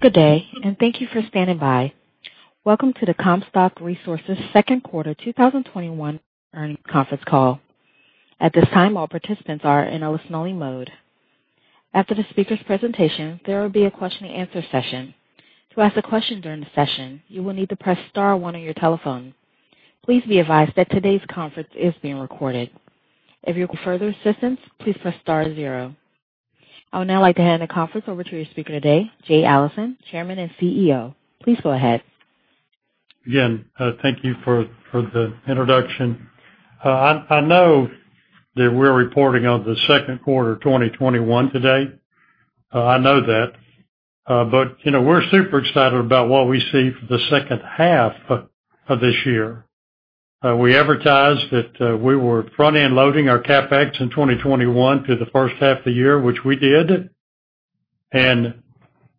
Good day, and thank you for standing by. Welcome to the Comstock Resources second quarter 2021 earnings conference call. At this time, all participants are in a listen only mode. After the speakers presentation, there will be a question and answer session. To as ask a question during the session, you will need to press star one on you telephone. Please be advised that today's conference is being recorded. If you need a further assistance, please press zero. I would now like to hand the conference over to your speaker today, Jay Allison, Chairman and CEO. Please go ahead. Thank you for the introduction. I know that we're reporting on the second quarter 2021 today. I know that. We're super excited about what we see for the second half of this year. We advertised that we were front-end loading our CapEx in 2021 to the first half of the year, which we did.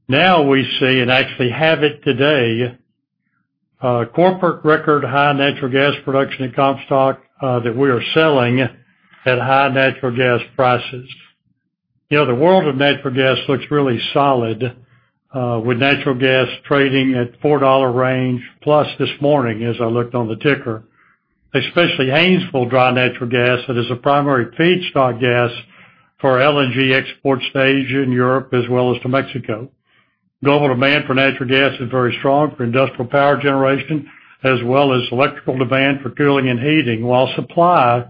Now we see, and actually have it today, a corporate record high natural gas production at Comstock that we are selling at high natural gas prices. The world of natural gas looks really solid, with natural gas trading at $4 range plus this morning, as I looked on the ticker. Especially Haynesville dry natural gas that is a primary feedstock gas for LNG exports to Asia and Europe, as well as to Mexico. Global demand for natural gas is very strong for industrial power generation, as well as electrical demand for cooling and heating, while supply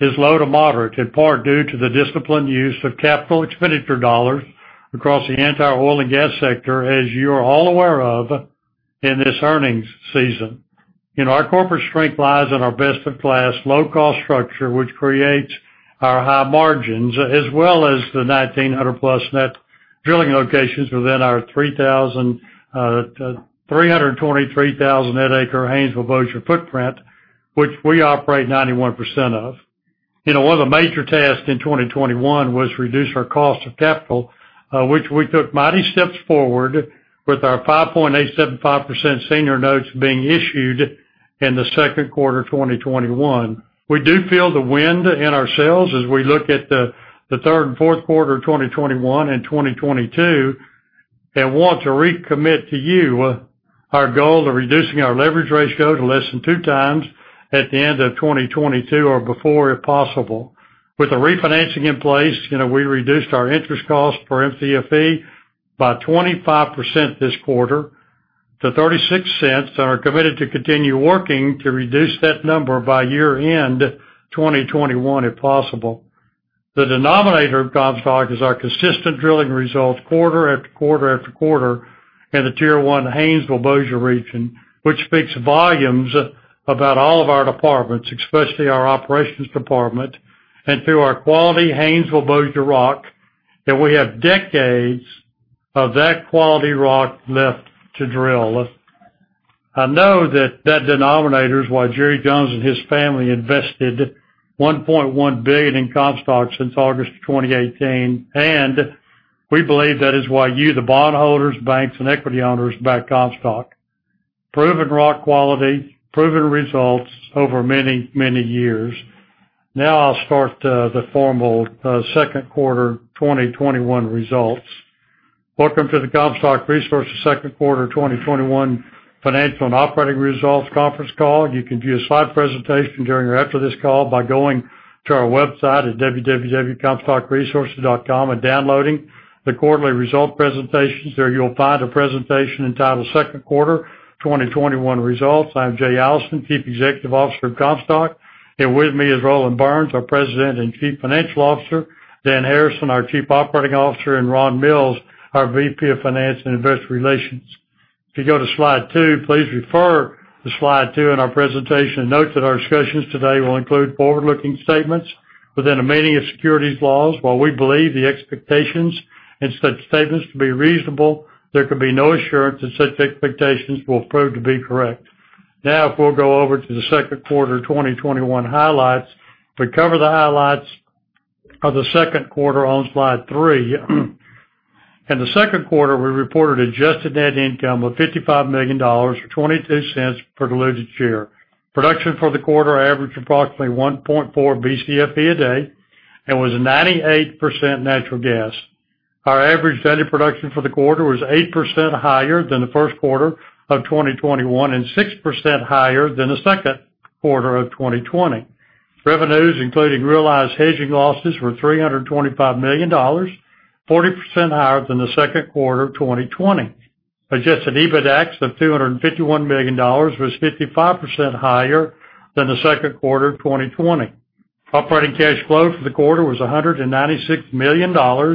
is low to moderate, in part due to the disciplined use of capital expenditure dollars across the entire oil and gas sector, as you are all aware of in this earnings season. Our corporate strength lies in our best-in-class low-cost structure, which creates our high margins, as well as the 1,900+ net drilling locations within our 323,000 net acre Haynesville/Bossier footprint, which we operate 91% of. One of the major tasks in 2021 was to reduce our cost of capital, which we took mighty steps forward with our 5.875% senior notes being issued in the second quarter 2021. We do feel the wind in our sails as we look at the third and fourth quarter of 2021 and 2022, and want to recommit to you our goal of reducing our leverage ratio to less than two times at the end of 2022 or before if possible. With the refinancing in place, we reduced our interest cost for Mcfe by 25% this quarter to $0.36, and are committed to continue working to reduce that number by year-end 2021, if possible. The denominator of Comstock is our consistent drilling results quarter, after quarter, after quarter in the Tier 1 Haynesville/Bossier region, which speaks volumes about all of our departments, especially our operations department, and through our quality Haynesville/Bossier rock, and we have decades of that quality rock left to drill. I know that that denominator is why Jerry Jones and his family invested $1.1 billion in Comstock since August of 2018, and we believe that is why you, the bondholders, banks, and equity owners back Comstock. Proven rock quality, proven results over many, many years. Now I'll start the formal second quarter 2021 results. Welcome to the Comstock Resources second quarter 2021 financial and operating results conference call. You can view a slide presentation during or after this call by going to our website at www.comstockresources.com and downloading the quarterly result presentations. There you'll find a presentation entitled "Second Quarter 2021 Results." I'm Jay Allison, Chief Executive Officer of Comstock, and with me is Roland Burns, our President and Chief Financial Officer, Dan Harrison, our Chief Operating Officer, and Ron Mills, our VP of Finance and Investor Relations. If you go to slide two, please refer to slide two in our presentation. Note that our discussions today will include forward-looking statements within the meaning of securities laws. While we believe the expectations in such statements to be reasonable, there can be no assurance that such expectations will prove to be correct. If we'll go over to the second quarter 2021 highlights. If we cover the highlights of the second quarter on slide three. In the second quarter, we reported adjusted net income of $55 million, or $0.22 per diluted share. Production for the quarter averaged approximately 1.4 Bcfe a day and was 98% natural gas. Our average daily production for the quarter was 8% higher than the first quarter of 2021 and 6% higher than the second quarter of 2020. Revenues, including realized hedging losses, were $325 million, 40% higher than the second quarter of 2020. Adjusted EBITDAX of $251 million was 55% higher than the second quarter of 2020. Operating cash flow for the quarter was $196 million, or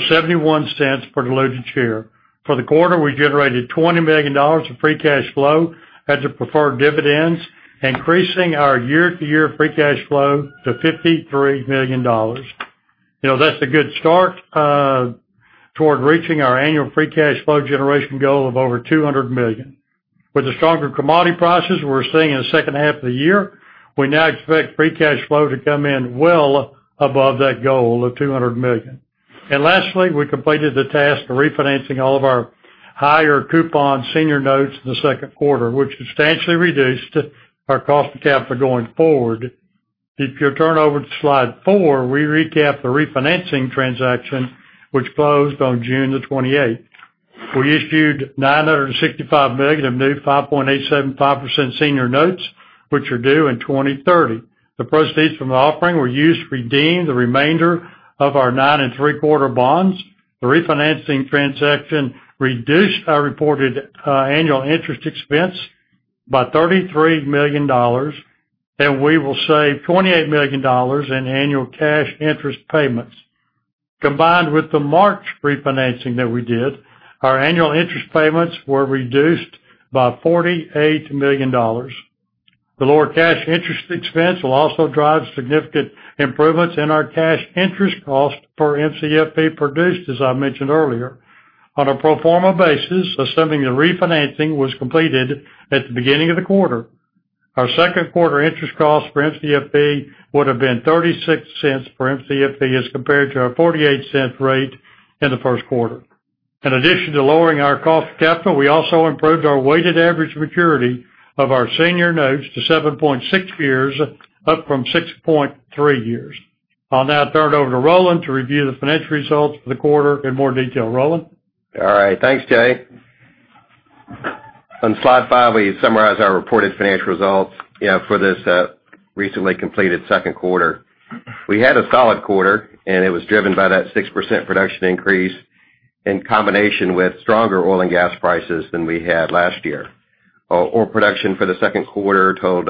$0.71 per diluted share. For the quarter, we generated $20 million of free cash flow as our preferred dividends, increasing our year-to-year free cash flow to $53 million. That's a good start toward reaching our annual free cash flow generation goal of over $200 million. With the stronger commodity prices we're seeing in the second half of the year, we now expect free cash flow to come in well above that goal of $200 million. Lastly, we completed the task of refinancing all of our higher coupon senior notes in the second quarter, which substantially reduced our cost of capital going forward. If you turn over to slide four, we recap the refinancing transaction which closed on June 28th. We issued $965 million of new 5.875% senior notes, which are due in 2030. The proceeds from the offering were used to redeem the remainder of our 9.75% bonds. The refinancing transaction reduced our reported annual interest expense by $33 million. We will save $28 million in annual cash interest payments. Combined with the March refinancing that we did, our annual interest payments were reduced by $48 million. The lower cash interest expense will also drive significant improvements in our cash interest cost per Mcfe produced, as I mentioned earlier. On a pro forma basis, assuming the refinancing was completed at the beginning of the quarter, our second quarter interest cost for Mcfe would've been $0.36 per Mcfe as compared to our $0.48 rate in the first quarter. In addition to lowering our cost of capital, we also improved our weighted average maturity of our senior notes to 7.6 years, up from 6.3 years. I'll now turn over to Roland to review the financial results for the quarter in more detail. Roland? All right. Thanks, Jay. On slide five, we summarize our reported financial results for this recently completed second quarter. We had a solid quarter, and it was driven by that 6% production increase in combination with stronger oil and gas prices than we had last year. Our total production for the second quarter totaled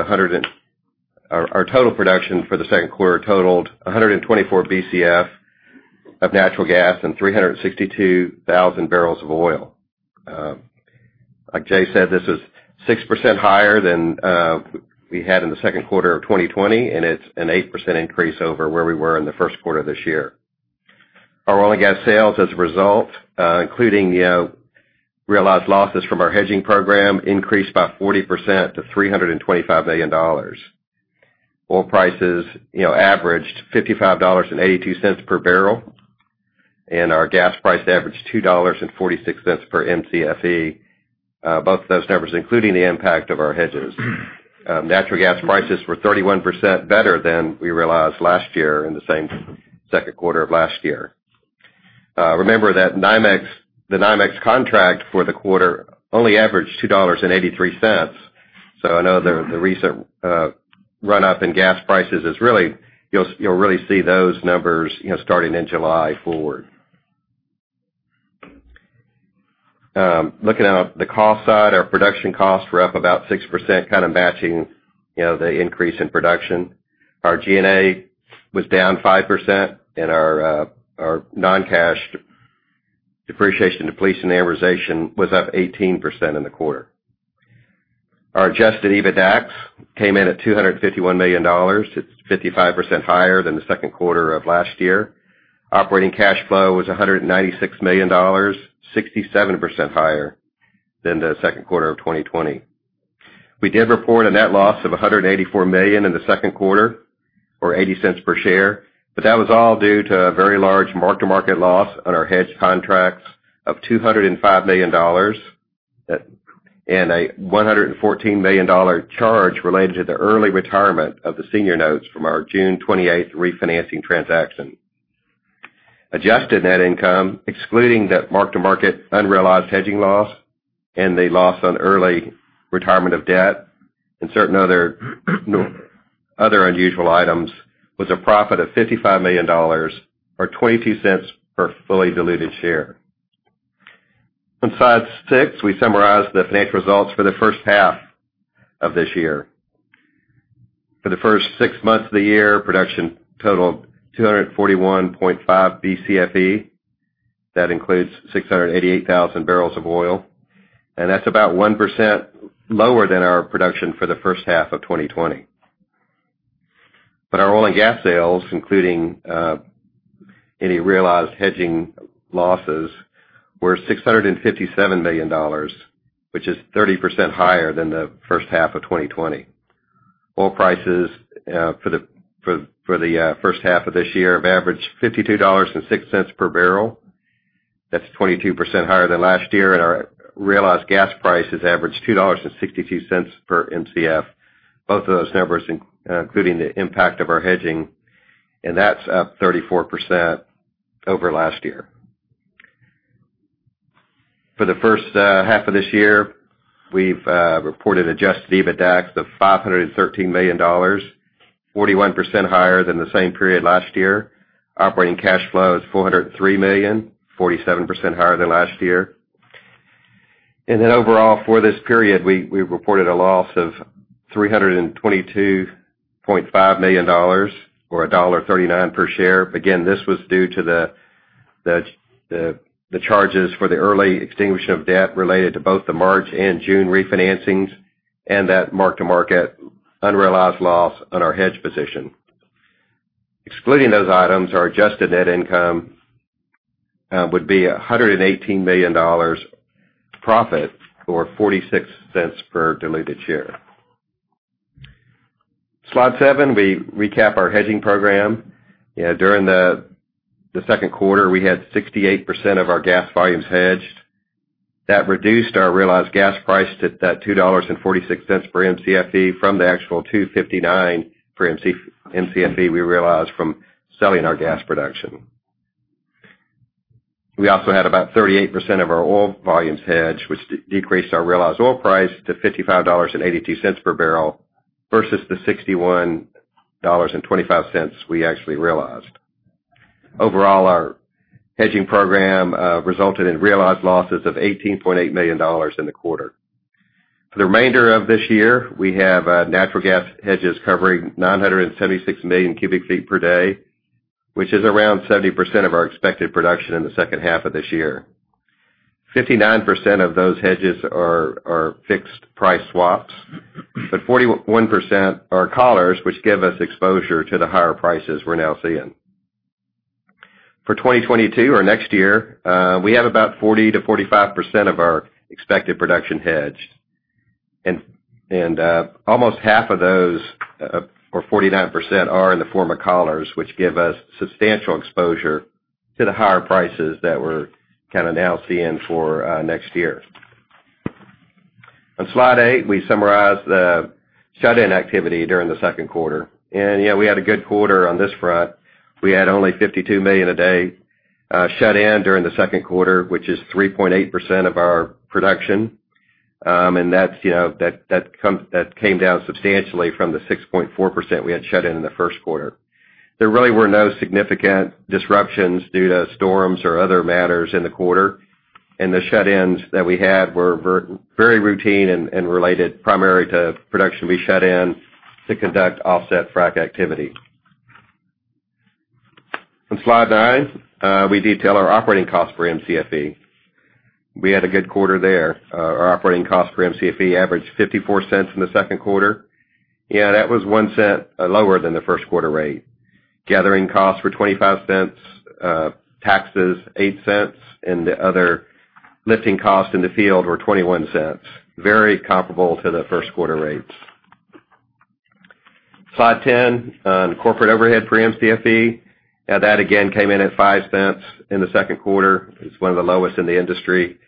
124 Bcf of natural gas and 362,000 bbl of oil. Like Jay said, this is 6% higher than we had in the second quarter of 2020, and it's an 8% increase over where we were in the first quarter of this year. Our oil and gas sales as a result, including the realized losses from our hedging program, increased by 40% to $325 million. Oil prices averaged $55.82/bbl, and our gas price averaged $2.46/Mcfe, both of those numbers including the impact of our hedges. Natural gas prices were 31% better than we realized last year in the same second quarter of last year. Remember that the NYMEX contract for the quarter only averaged $2.83. I know the recent run-up in gas prices is you'll really see those numbers starting in July forward. Looking at the cost side, our production costs were up about 6%, kind of matching the increase in production. Our G&A was down 5%, and our non-cash depreciation, depletion, and amortization was up 18% in the quarter. Our adjusted EBITDAX came in at $251 million. It's 55% higher than the second quarter of last year. Operating cash flow was $196 million, 67% higher than the second quarter of 2020. We did report a net loss of $184 million in the second quarter or $0.80 per share. That was all due to a very large mark-to-market loss on our hedge contracts of $205 million and a $114 million charge related to the early retirement of the senior notes from our June 28th refinancing transaction. Adjusted net income, excluding that mark-to-market unrealized hedging loss and the loss on early retirement of debt and certain other unusual items, was a profit of $55 million or $0.22 per fully diluted share. On slide six, we summarize the financial results for the first half of this year. For the first six months of the year, production totaled 241.5 Bcfe. That includes 688,000 bbl of oil. That's about 1% lower than our production for the first half of 2020. Our oil and gas sales, including any realized hedging losses, were $657 million, which is 30% higher than the first half of 2020. Oil prices for the first half of this year have averaged $52.06/bbl. That's 22% higher than last year. Our realized gas prices averaged $2.62/Mcf. Both of those numbers, including the impact of our hedging, that's up 34% over last year. For the first half of this year, we've reported adjusted EBITDAX of $513 million, 41% higher than the same period last year. Operating cash flow is $403 million, 47% higher than last year. Overall, for this period, we reported a loss of $322.5 million or $1.39 per share. Again, this was due to the charges for the early extinguishment of debt related to both the March and June refinancings and that mark-to-market unrealized loss on our hedge position. Excluding those items, our adjusted net income would be $118 million profit or $0.46 per diluted share. Slide seven, we recap our hedging program. During the second quarter, we had 68% of our gas volumes hedged. That reduced our realized gas price to that $2.46/Mcfe from the actual $2.59/Mcfe we realized from selling our gas production. We also had about 38% of our oil volumes hedged, which decreased our realized oil price to $55.82/bbl versus the $61.25 we actually realized. Overall, our hedging program resulted in realized losses of $18.8 million in the quarter. For the remainder of this year, we have natural gas hedges covering 976 million cf/d, which is around 70% of our expected production in the second half of this year. 59% of those hedges are fixed price swaps, but 41% are collars, which give us exposure to the higher prices we're now seeing. For 2022 or next year, we have about 40%-45% of our expected production hedged. Almost half of those, or 49%, are in the form of collars, which give us substantial exposure to the higher prices that we're now seeing for next year. On slide eight, we summarize the shut-in activity during the second quarter. Yeah, we had a good quarter on this front. We had only 52 million a day shut in during the second quarter, which is 3.8% of our production. That came down substantially from the 6.4% we had shut in in the first quarter. There really were no significant disruptions due to storms or other matters in the quarter. The shut-ins that we had were very routine and related primarily to production we shut in to conduct offset frac activity. On slide nine, we detail our operating cost for Mcfe. We had a good quarter there. Our operating cost for Mcfe averaged $0.54 in the second quarter. That was $0.01 lower than the first quarter rate. Gathering costs were $0.25, taxes $0.08, and the other lifting costs in the field were $0.21. Very comparable to the first quarter rates. Slide 10, corporate overhead for Mcfe. That again came in at $0.05 in the second quarter. It's one of the lowest in the industry.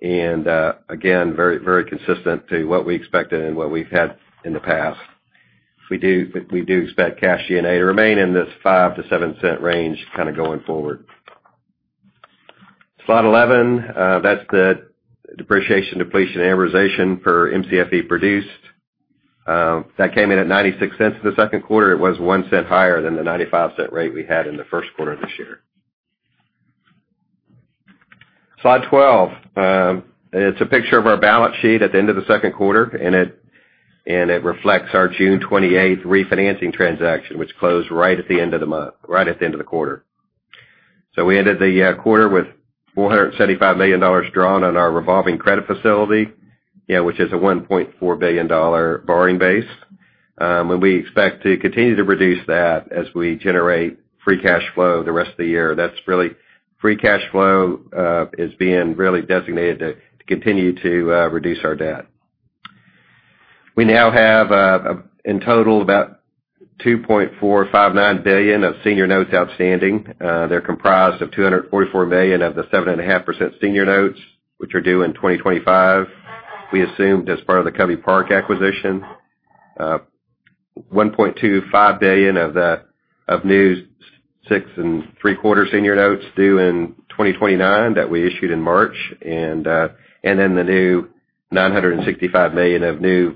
Again, very consistent to what we expected and what we've had in the past. We do expect cash G&A to remain in this $0.05-$0.07 range going forward. Slide 11, that's the depreciation, depletion, amortization per Mcfe produced. That came in at $0.96 in the second quarter. It was $0.01 higher than the $0.95 rate we had in the first quarter of this year. Slide 12. It's a picture of our balance sheet at the end of the second quarter, and it reflects our June 28th refinancing transaction, which closed right at the end of the quarter. We ended the quarter with $475 million drawn on our revolving credit facility, which is a $1.4 billion borrowing base. We expect to continue to reduce that as we generate free cash flow the rest of the year. Free cash flow is being really designated to continue to reduce our debt. We now have, in total, about $2.459 billion of senior notes outstanding. They're comprised of $244 million of the 7.5% senior notes, which are due in 2025. We assumed as part of the Covey Park acquisition, $1.25 billion of new 6.75% senior notes due in 2029 that we issued in March, the new $965 million of new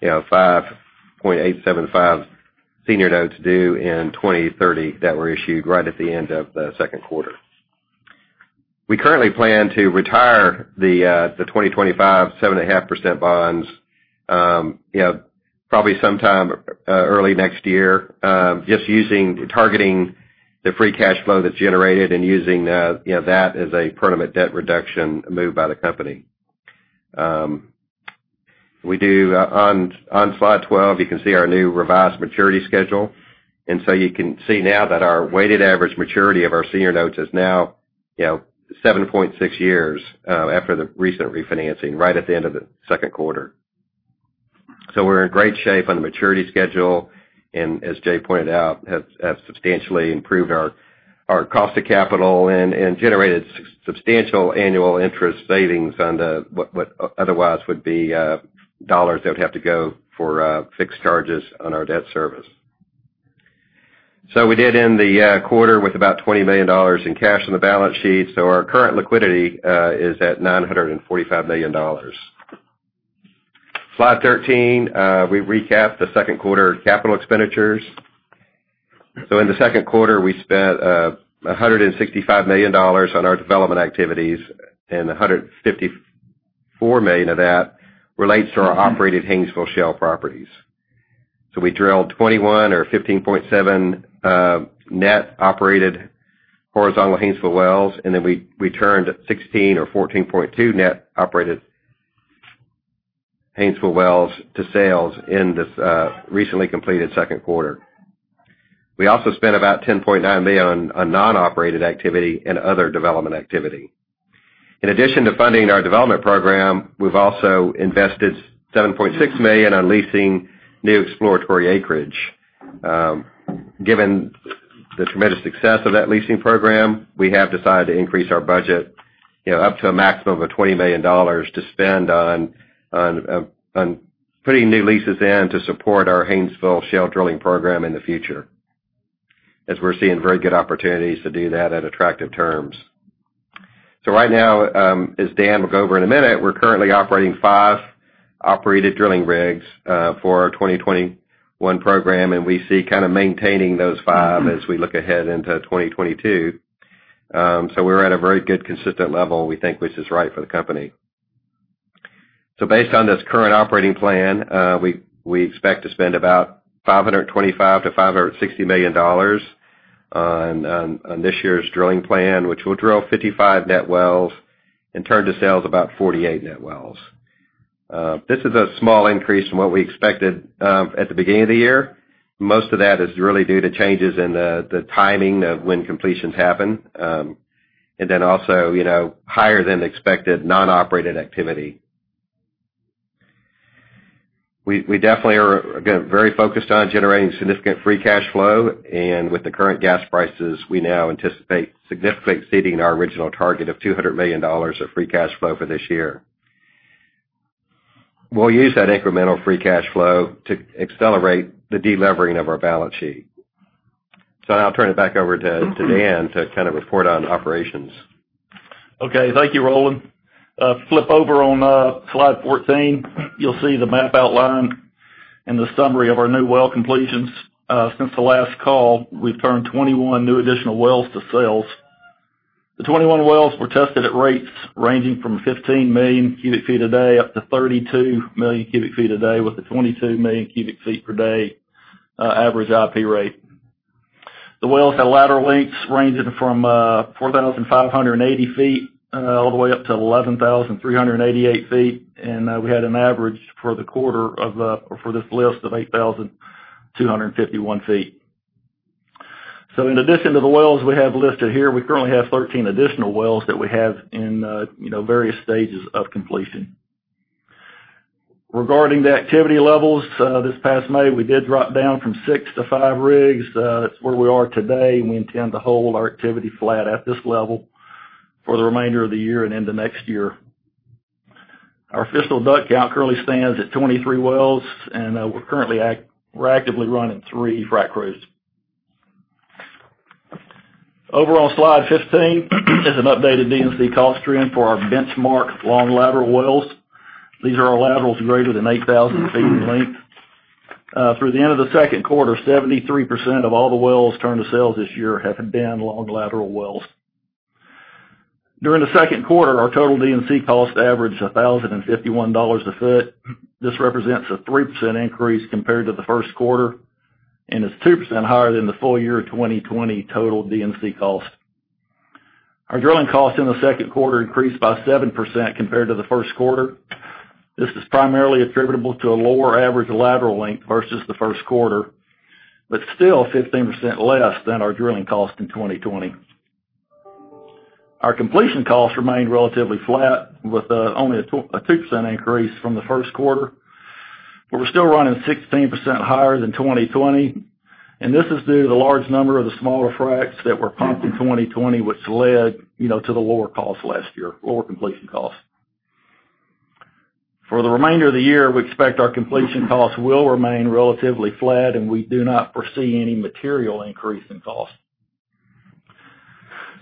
5.875% senior notes due in 2030 that were issued right at the end of the second quarter. We currently plan to retire the 2025 7.5% bonds, probably sometime early next year, targeting the free cash flow that's generated and using that as a permanent debt reduction move by the company. On slide 12, you can see our new revised maturity schedule. You can see now that our weighted average maturity of our senior notes is now 7.6 years after the recent refinancing, right at the end of the second quarter. We're in great shape on the maturity schedule, and as Jay pointed out, have substantially improved our cost of capital and generated substantial annual interest savings on what otherwise would be dollars that would have to go for fixed charges on our debt service. We did end the quarter with about $20 million in cash on the balance sheet. Our current liquidity is at $945 million. Slide 13, we recap the second quarter capital expenditures. In the second quarter, we spent $165 million on our development activities, and $154 million of that relates to our operated Haynesville Shale properties. We drilled 21 or 15.7 net operated horizontal Haynesville wells, and then we turned 16 or 14.2 net operated Haynesville wells to sales in this recently completed second quarter. We also spent about $10.9 million on non-operated activity and other development activity. In addition to funding our development program, we've also invested $7.6 million on leasing new exploratory acreage. Given the tremendous success of that leasing program, we have decided to increase our budget up to a maximum of $20 million to spend on putting new leases in to support our Haynesville Shale drilling program in the future, as we're seeing very good opportunities to do that at attractive terms. Right now, as Dan will go over in a minute, we're currently operating five operated drilling rigs for our 2021 program, and we see kind of maintaining those five as we look ahead into 2022. We're at a very good, consistent level we think which is right for the company. Based on this current operating plan, we expect to spend about $525 million-$560 million on this year's drilling plan, which will drill 55 net wells and turn to sales about 48 net wells. This is a small increase from what we expected at the beginning of the year. Most of that is really due to changes in the timing of when completions happen, and then also, higher than expected non-operated activity. We definitely are, again, very focused on generating significant free cash flow, and with the current gas prices, we now anticipate significantly exceeding our original target of $200 million of free cash flow for this year. We'll use that incremental free cash flow to accelerate the de-levering of our balance sheet. Now I'll turn it back over to Dan to report on operations. Okay. Thank you, Roland. Flip over on slide 14. You'll see the map outline and the summary of our new well completions. Since the last call, we've turned 21 new additional wells to sales. The 21 wells were tested at rates ranging from 15 million cf/d up to 32 million cf/d, with a 22 million cf/d average IP rate. The wells have lateral lengths ranging from 4,580 ft all the way up to 11,388 ft. We had an average for the quarter for this list of 8,251 ft. In addition to the wells we have listed here, we currently have 13 additional wells that we have in various stages of completion. Regarding the activity levels, this past May, we did drop down from six to five rigs. That's where we are today, and we intend to hold our activity flat at this level for the remainder of the year and into next year. Our fiscal DUC count currently stands at 23 wells, and we're actively running three frac crews. Over on slide 15 is an updated D&C cost trend for our benchmark long lateral wells. These are our laterals greater than 8,000 ft in length. Through the end of the second quarter, 73% of all the wells turned to sales this year have been long lateral wells. During the second quarter, our total D&C cost averaged $1,051 a foot. This represents a 3% increase compared to the first quarter, and is 2% higher than the full year 2020 total D&C cost. Our drilling cost in the second quarter increased by 7% compared to the first quarter. This is primarily attributable to a lower average lateral length versus the first quarter, but still 15% less than our drilling cost in 2020. Our completion costs remained relatively flat, with only a 2% increase from the first quarter, but we're still running 16% higher than 2020. This is due to the large number of the smaller fracs that were pumped in 2020, which led to the lower cost last year, lower completion cost. For the remainder of the year, we expect our completion costs will remain relatively flat, and we do not foresee any material increase in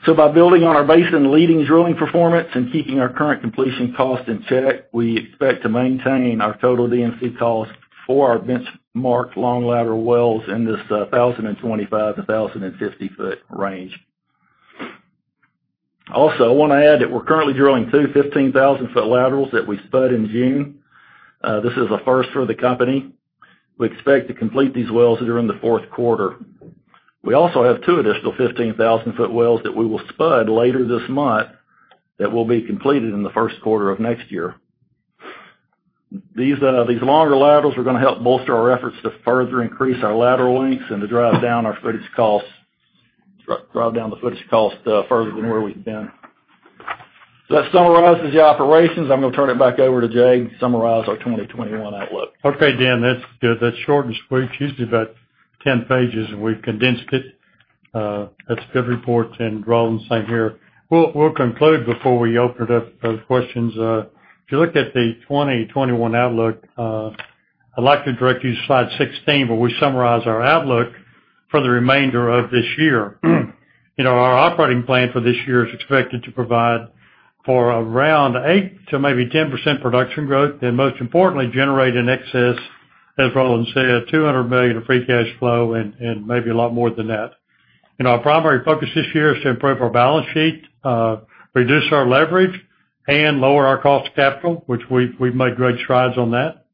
cost. By building on our basin leading drilling performance and keeping our current completion cost in check, we expect to maintain our total D&C cost for our benchmark long lateral wells in this 1,025-1,050 ft range. Also, I want to add that we're currently drilling two 15,000-ft laterals that we spud in June. This is a first for the company. We expect to complete these wells during the fourth quarter. We also have two additional 15,000-ft wells that we will spud later this month that will be completed in the first quarter of next year. These longer laterals are going to help bolster our efforts to further increase our lateral lengths and to drive down the footage cost further than where we've been. That summarizes the operations. I'm going to turn it back over to Jay to summarize our 2021 outlook. Okay, Dan. That's good. That's short and sweet. It's usually about 10 pages, and we've condensed it. That's a good report. Roland, same here. We'll conclude before we open it up for questions. If you look at the 2021 outlook, I'd like to direct you to slide 16, where we summarize our outlook for the remainder of this year. Our operating plan for this year is expected to provide for around 8%-10% production growth, most importantly, generate in excess, as Roland said, $200 million of free cash flow and maybe a lot more than that. Our primary focus this year is to improve our balance sheet, reduce our leverage, and lower our cost of capital, which we've made great strides on that.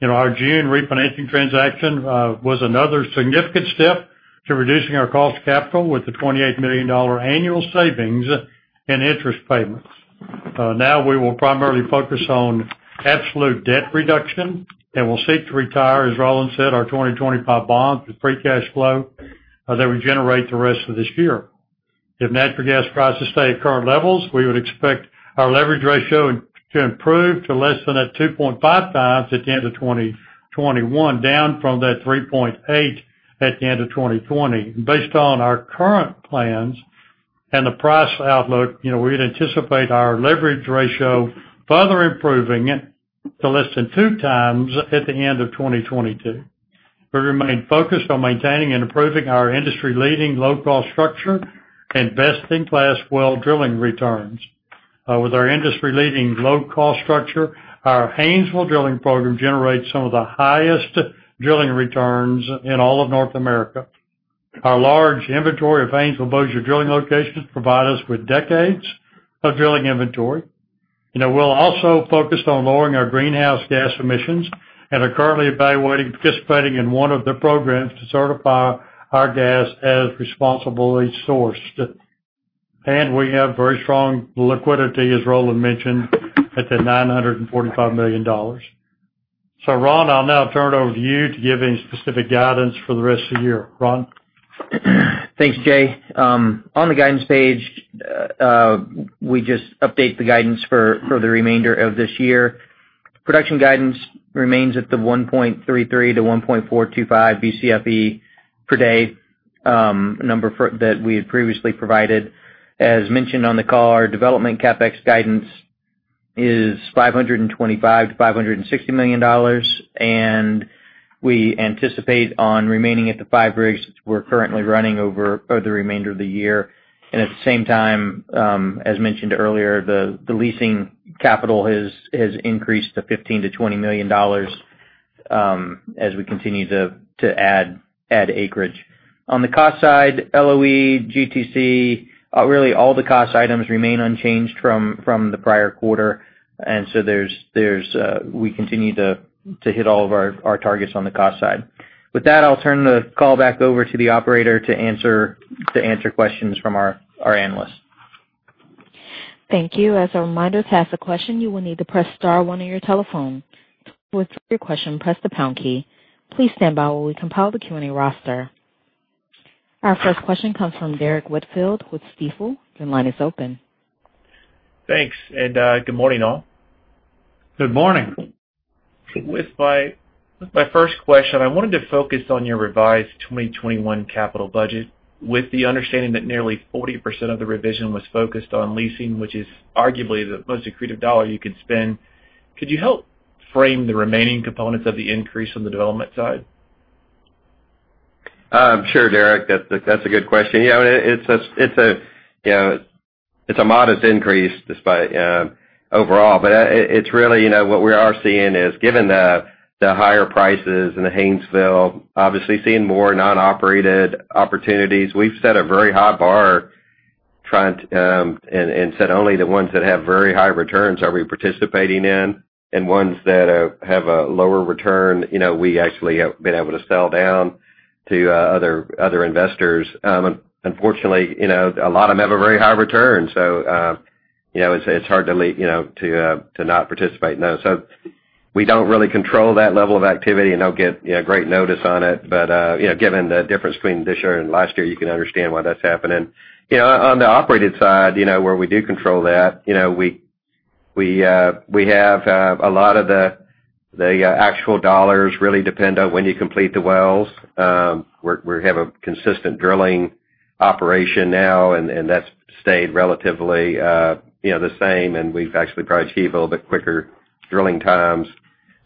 Our June refinancing transaction was another significant step to reducing our cost of capital with the $28 million annual savings in interest payments. Now we will primarily focus on absolute debt reduction, and we'll seek to retire, as Roland said, our 2025 bonds with free cash flow that we generate the rest of this year. If natural gas prices stay at current levels, we would expect our leverage ratio to improve to less than a 2.5x at the end of 2021, down from that 3.8x at the end of 2020. Based on our current plans and the price outlook, we'd anticipate our leverage ratio further improving to less than 2x at the end of 2022. We remain focused on maintaining and improving our industry-leading low-cost structure and best-in-class well drilling returns. With our industry-leading low-cost structure, our Haynesville drilling program generates some of the highest drilling returns in all of North America. Our large inventory of Haynesville/Bossier drilling locations provide us with decades of drilling inventory. We're also focused on lowering our greenhouse gas emissions and are currently evaluating participating in one of the programs to certify our gas as responsibly sourced. We have very strong liquidity, as Roland mentioned, at the $945 million. Ron, I'll now turn it over to you to give any specific guidance for the rest of the year. Ron? Thanks, Jay. On the guidance page, we just update the guidance for the remainder of this year. Production guidance remains at the 1.33-1.425 Bcfe/d number that we had previously provided. As mentioned on the call, our development CapEx guidance is $525 million-$560 million, we anticipate on remaining at the five rigs that we're currently running over the remainder of the year. At the same time, as mentioned earlier, the leasing capital has increased to $15 million-$20 million, as we continue to add acreage. On the cost side, LOE, GTC, really all the cost items remain unchanged from the prior quarter. We continue to hit all of our targets on the cost side. With that, I'll turn the call back over to the operator to answer questions from our analysts. Thank you. As a reminder, to ask a question, you will need to press star one on your telephone. With you have your question, press the pound key. Please stand by while we compile the Q&A roster. Our first question comes from Derrick Whitfield with Stifel. Your line is open. Thanks, good morning, all. Good morning. With my first question, I wanted to focus on your revised 2021 capital budget. With the understanding that nearly 40% of the revision was focused on leasing, which is arguably the most accretive dollar you could spend, could you help frame the remaining components of the increase on the development side? Sure, Derrick. That's a good question. It's a modest increase despite overall. What we are seeing is, given the higher prices in the Haynesville, obviously seeing more non-operated opportunities. We've set a very high bar and said only the ones that have very high returns are we participating in, and ones that have a lower return, we actually have been able to sell down to other investors. Unfortunately, a lot of them have a very high return, so it's hard to not participate in those. We don't really control that level of activity and don't get great notice on it. Given the difference between this year and last year, you can understand why that's happening. On the operated side, where we do control that, we have a lot of the actual dollars really depend on when you complete the wells. We have a consistent drilling operation now, and that's stayed relatively the same, and we've actually probably achieved a little bit quicker drilling times.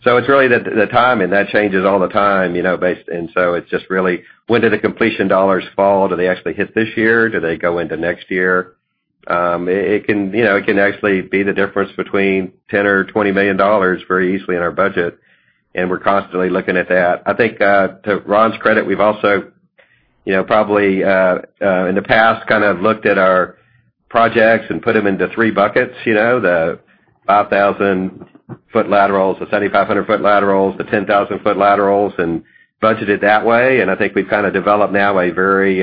It's really the timing. That changes all the time. It's just really when do the completion dollars fall? Do they actually hit this year? Do they go into next year? It can actually be the difference between $10 million or $20 million very easily in our budget, and we're constantly looking at that. I think, to Ron's credit, we've also probably, in the past, looked at our projects and put them into three buckets. The 5,000-ft laterals, the 7,500-ft laterals, the 10,000-ft laterals, and budget it that way. I think we've developed now a very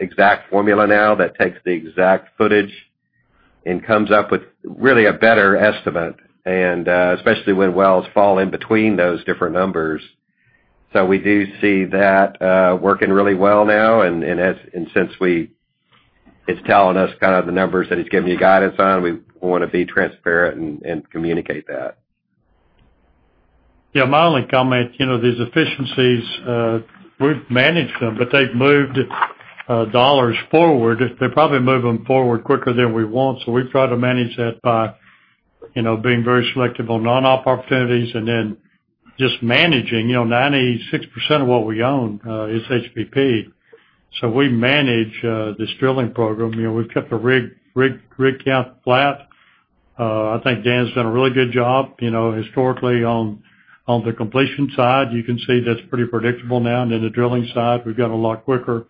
exact formula now that takes the exact footage and comes up with really a better estimate, and especially when wells fall in between those different numbers. We do see that working really well now. Since it's telling us the numbers that he's giving you guidance on, we want to be transparent and communicate that. Yeah, my only comment, these efficiencies, we've managed them, but they've moved dollars forward. They probably move them forward quicker than we want, so we try to manage that by being very selective on non-op opportunities and then just managing. 96% of what we own is HBP. We manage this drilling program. We've kept the rig count flat. I think Dan's done a really good job historically on the completion side. You can see that's pretty predictable now. Then the drilling side, we've got a lot quicker.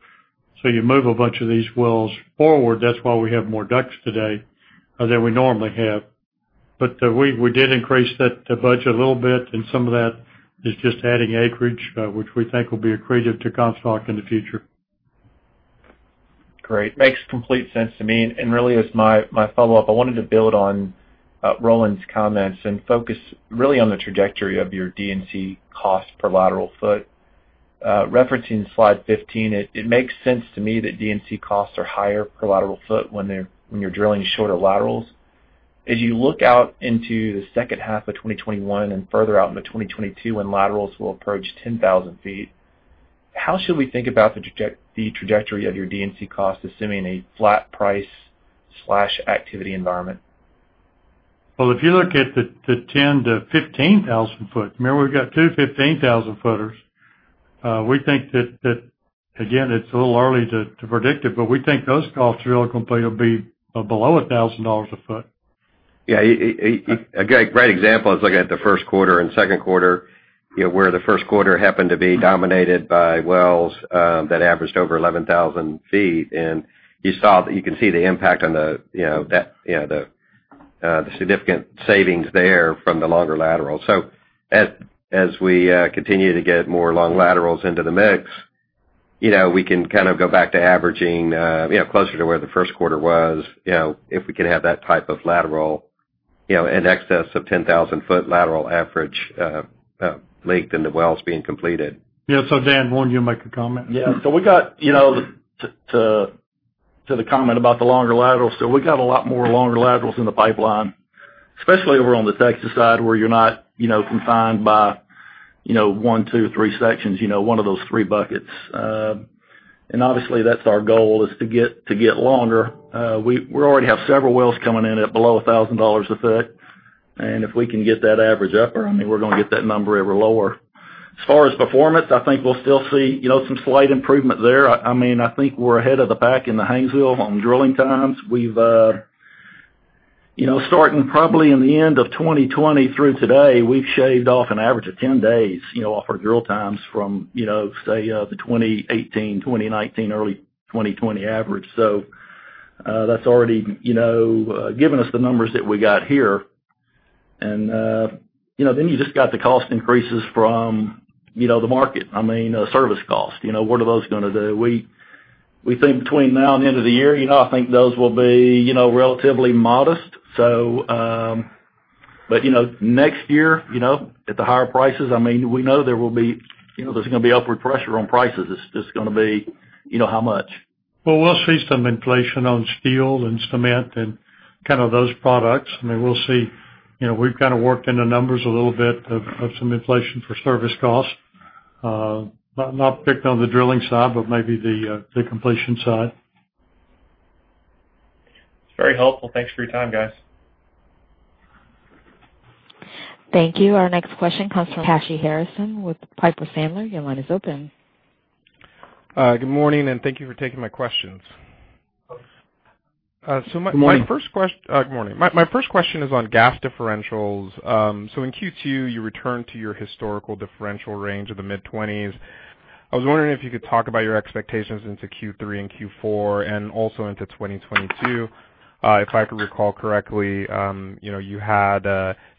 You move a bunch of these wells forward. That's why we have more DUCs today than we normally have. We did increase the budget a little bit, and some of that is just adding acreage, which we think will be accretive to Comstock in the future. Great. Makes complete sense to me. Really as my follow-up, I wanted to build on Roland's comments and focus really on the trajectory of your D&C cost per lateral foot. Referencing slide 15, it makes sense to me that D&C costs are higher per lateral foot when you're drilling shorter laterals. As you look out into the second half of 2021 and further out into 2022, when laterals will approach 10,000 ft, how should we think about the trajectory of your D&C cost, assuming a flat price/activity environment? Well, if you look at the 10,000-15,000 ft, remember we've got two 15,000 footers. We think that, again, it's a little early to predict it, but we think those costs, really, complete will be below $1,000 a foot. Yeah. A great example is looking at the first quarter and second quarter, where the first quarter happened to be dominated by wells that averaged over 11,000 ft. You can see the impact on the significant savings there from the longer lateral. As we continue to get more long laterals into the mix, we can go back to averaging closer to where the first quarter was, if we could have that type of lateral in excess of 10,000-ft lateral average length in the wells being completed. Yeah. Dan, why don't you make a comment? Yeah. To the comment about the longer laterals, we got a lot more longer laterals in the pipeline, especially over on the Texas side where you're not confined by one, two, or three sections, one of those three buckets. Obviously, that's our goal is to get longer. We already have several wells coming in at below $1,000 a foot, and if we can get that average upper, I mean, we're going to get that number ever lower. As far as performance, I think we'll still see some slight improvement there. I think we're ahead of the pack in the Haynesville on drilling times. Starting probably in the end of 2020 through today, we've shaved off an average of 10 days off our drill times from, say, the 2018, 2019, early 2020 average. That's already given us the numbers that we got here. Then you've just got the cost increases from the market. I mean, service cost, what are those going to do? We think between now and the end of the year, I think those will be relatively modest. Next year, at the higher prices, we know there's going to be upward pressure on prices. It's just going to be how much. Well, we'll see some inflation on steel and cement and those products. We've worked in the numbers a little bit of some inflation for service costs, not picked on the drilling side, but maybe the completion side. It's very helpful. Thanks for your time, guys. Thank you. Our next question comes from Kashy Harrison with Piper Sandler. Your line is open. Good morning. Thank you for taking my questions. Good morning. Good morning. My first question is on gas differentials. In Q2, you returned to your historical differential range of the mid-20s. I was wondering if you could talk about your expectations into Q3 and Q4, and also into 2022. If I could recall correctly, you had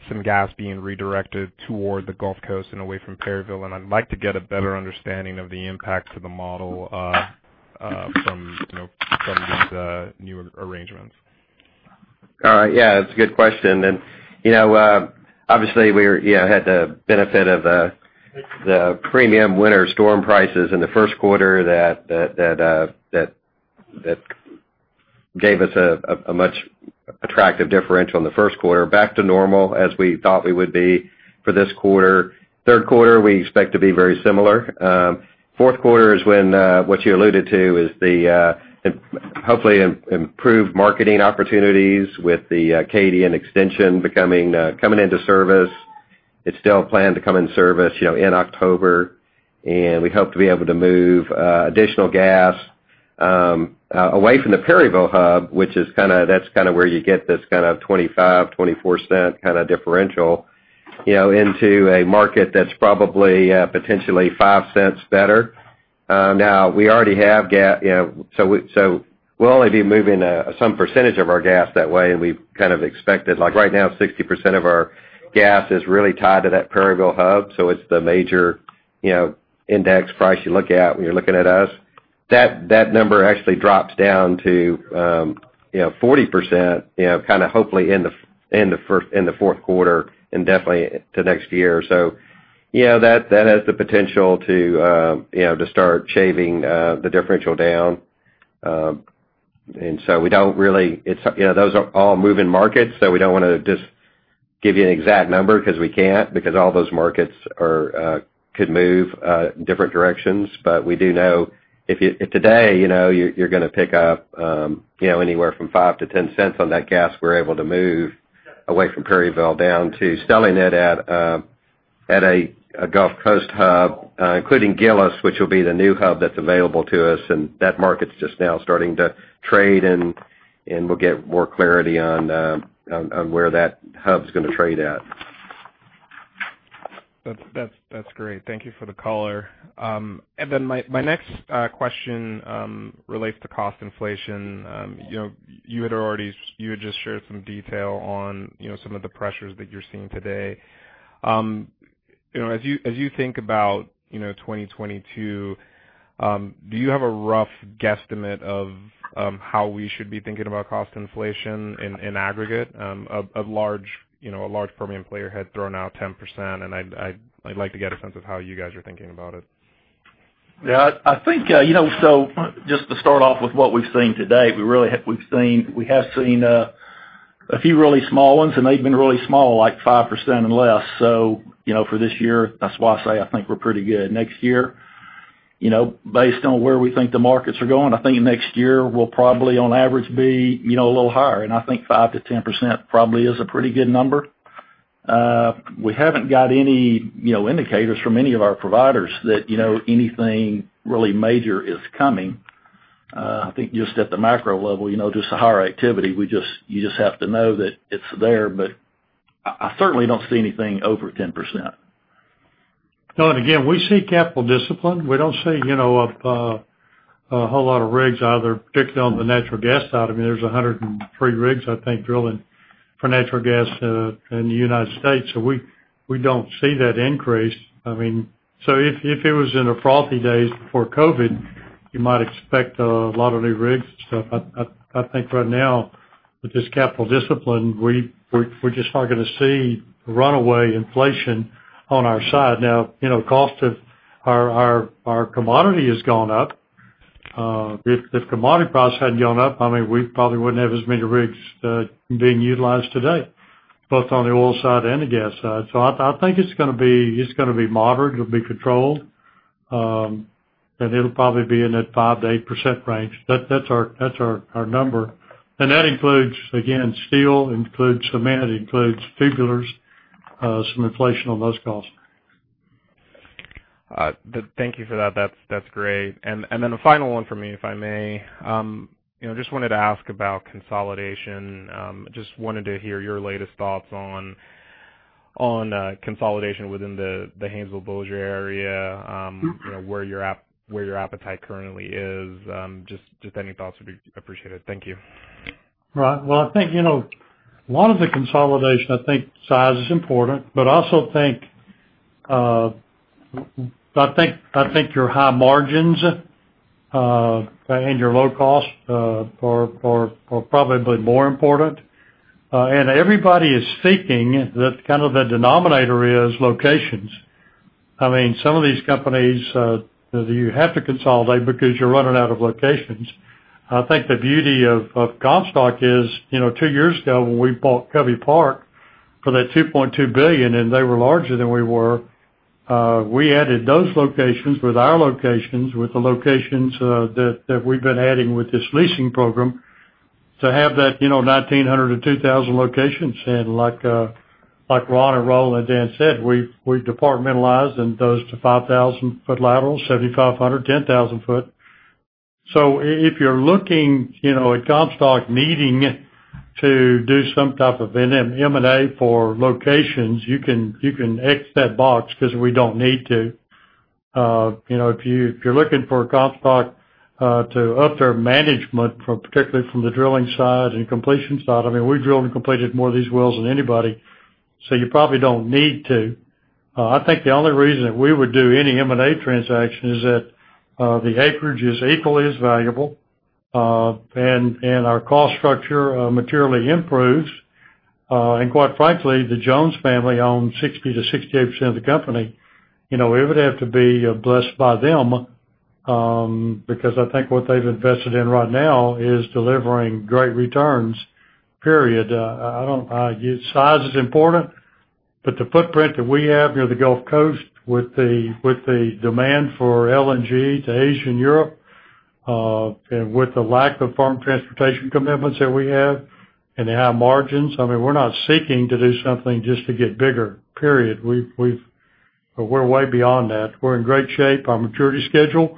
some gas being redirected toward the Gulf Coast and away from Perryville, and I'd like to get a better understanding of the impact to the model from these new arrangements. Yeah. It's a good question. Obviously, we had the benefit of the premium winter storm prices in the first quarter that gave us a much attractive differential in the first quarter. Back to normal as we thought we would be for this quarter. Third quarter, we expect to be very similar. Fourth quarter is when, what you alluded to, is the hopefully improved marketing opportunities with the Acadian extension coming into service. It's still planned to come in service in October. We hope to be able to move additional gas away from the Perryville hub, which that's where you get this $0.25, $0.24 differential into a market that's probably potentially $0.05 better. We'll only be moving some percentage of our gas that way. We've expected, like right now, 60% of our gas is really tied to that Perryville hub, so it's the major index price you look at when you're looking at us. That number actually drops down to 40%, hopefully in the fourth quarter and definitely to next year. That has the potential to start shaving the differential down. Those are all moving markets, so we don't want to just give you an exact number because we can't, because all those markets could move different directions. We do know if today, you're going to pick up anywhere from $0.05-$0.10 on that gas, we're able to move away from Perryville down to selling it at a Gulf Coast hub, including Gillis, which will be the new hub that's available to us, and that market's just now starting to trade, and we'll get more clarity on where that hub's going to trade at. That's great. Thank you for the color. Then my next question relates to cost inflation. You had just shared some detail on some of the pressures that you're seeing today. As you think about 2022, do you have a rough guesstimate of how we should be thinking about cost inflation in aggregate? A large premium player had thrown out 10%. I'd like to get a sense of how you guys are thinking about it. Yeah. Just to start off with what we've seen today, we have seen a few really small ones, and they've been really small, like 5% and less. For this year, that's why I say I think we're pretty good. Next year, based on where we think the markets are going, I think next year will probably, on average, be a little higher, and I think 5%-10% probably is a pretty good number. We haven't got any indicators from any of our providers that anything really major is coming. I think just at the macro level, just the higher activity, you just have to know that it's there, but I certainly don't see anything over 10%. Again, we see capital discipline. We don't see a whole lot of rigs out there, particularly on the natural gas side. There's 103 rigs, I think, drilling for natural gas in the United States. We don't see that increase. If it was in the frothy days before COVID, you might expect a lot of new rigs and stuff. I think right now, with this capital discipline, we're just not going to see runaway inflation on our side. Now, cost of our commodity has gone up. If commodity prices hadn't gone up, we probably wouldn't have as many rigs being utilized today, both on the oil side and the gas side. I think it's going to be moderate, it'll be controlled, and it'll probably be in that 5%-8% range. That's our number. That includes, again, steel, includes cement, it includes tubulars, some inflation on those costs. Thank you for that. That's great. Then a final one from me, if I may. Just wanted to ask about consolidation. Just wanted to hear your latest thoughts on consolidation within the Haynesville/Bossier area. Where your appetite currently is. Just any thoughts would be appreciated. Thank you. Ron. Well, I think a lot of the consolidation, I think size is important, but I also think your high margins and your low cost are probably more important. Everybody is seeking that the denominator is locations. Some of these companies, you have to consolidate because you're running out of locations. I think the beauty of Comstock is, two years ago, when we bought Covey Park for that $2.2 billion, and they were larger than we were, we added those locations with our locations, with the locations that we've been adding with this leasing program to have that 1,900-2,000 locations. Like Ron and Roland and Dan said, we departmentalize in those to 5,000-ft laterals, 7,500 ft, 10,000 ft. If you're looking at Comstock needing to do some type of M&A for locations, you can X that box because we don't need to. If you're looking for Comstock to up their management, particularly from the drilling side and completion side, we drilled and completed more of these wells than anybody, so you probably don't need to. I think the only reason that we would do any M&A transaction is that the acreage is equally as valuable, and our cost structure materially improves. Quite frankly, the Jones family owns 60%-68% of the company. It would have to be blessed by them, because I think what they've invested in right now is delivering great returns, period. Size is important, the footprint that we have near the Gulf Coast with the demand for LNG to Asia and Europe, and with the lack of firm transportation commitments that we have and the high margins, we're not seeking to do something just to get bigger, period. We're way beyond that. We're in great shape. Our maturity schedule,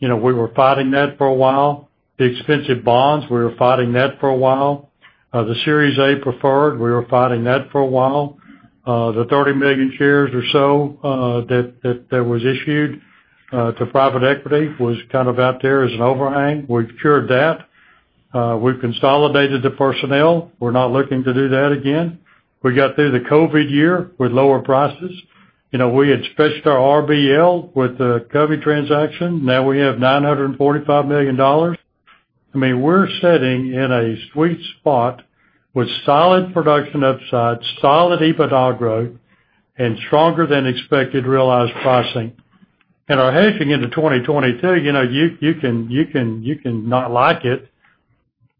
we were fighting that for a while. The expensive bonds, we were fighting that for a while. The Series A preferred, we were fighting that for a while. The 30 million shares or so that was issued to private equity was kind of out there as an overhang. We've cured that. We've consolidated the personnel. We're not looking to do that again. We got through the COVID year with lower prices. We had fetched our RBL with the Covey transaction. Now we have $945 million. We're sitting in a sweet spot with solid production upside, solid EBITDA growth, and stronger than expected realized pricing. Our hedging into 2022, you can not like it,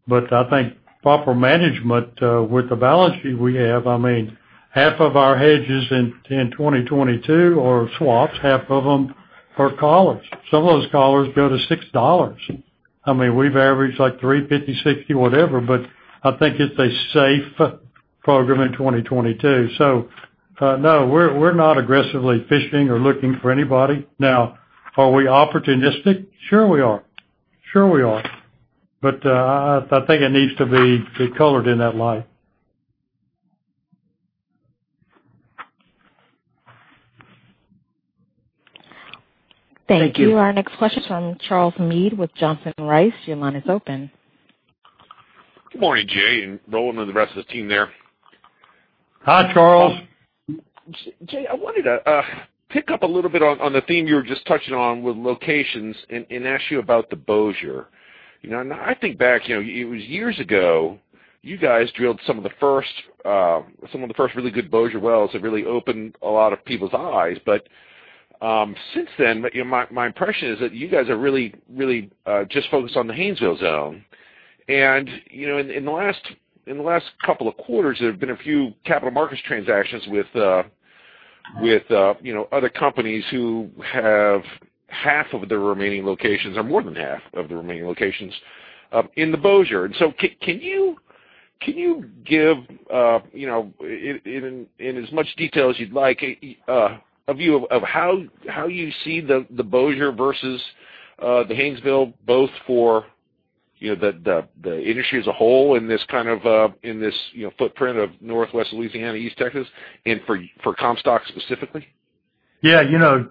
but I think proper management with the balance sheet we have, half of our hedges in 2022 are swaps. Half of them are collars. Some of those collars go to $6. We've averaged like $350, $60, whatever. I think it's a safe program in 2022. No, we're not aggressively fishing or looking for anybody. Now, are we opportunistic? Sure we are. I think it needs to be colored in that light. Thank you. Our next question is from Charles Meade with Johnson Rice. Your line is open. Good morning, Jay, and Roland, and the rest of the team there. Hi, Charles. Jay, I wanted to pick up a little bit on the theme you were just touching on with locations and ask you about the Bossier. I think back, it was years ago, you guys drilled some of the first really good Bossier wells that really opened a lot of people's eyes. Since then, my impression is that you guys are really just focused on the Haynesville zone. In the last couple of quarters, there have been a few capital markets transactions with other companies who have half of their remaining locations or more than half of their remaining locations in the Bossier. Can you give, in as much detail as you'd like, a view of how you see the Bossier versus the Haynesville, both for the industry as a whole in this footprint of Northwest Louisiana, East Texas, and for Comstock specifically? Yeah.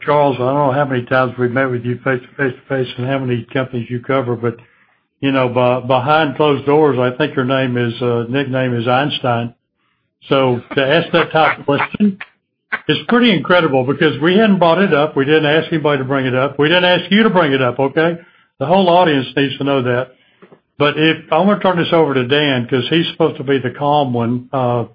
Charles, I don't know how many times we've met with you face-to-face and how many companies you cover, but behind closed doors, I think your nickname is Einstein. To ask that type of question is pretty incredible because we hadn't brought it up. We didn't ask anybody to bring it up. We didn't ask you to bring it up, okay. The whole audience needs to know that. I'm going to turn this over to Dan because he's supposed to be the calm one. I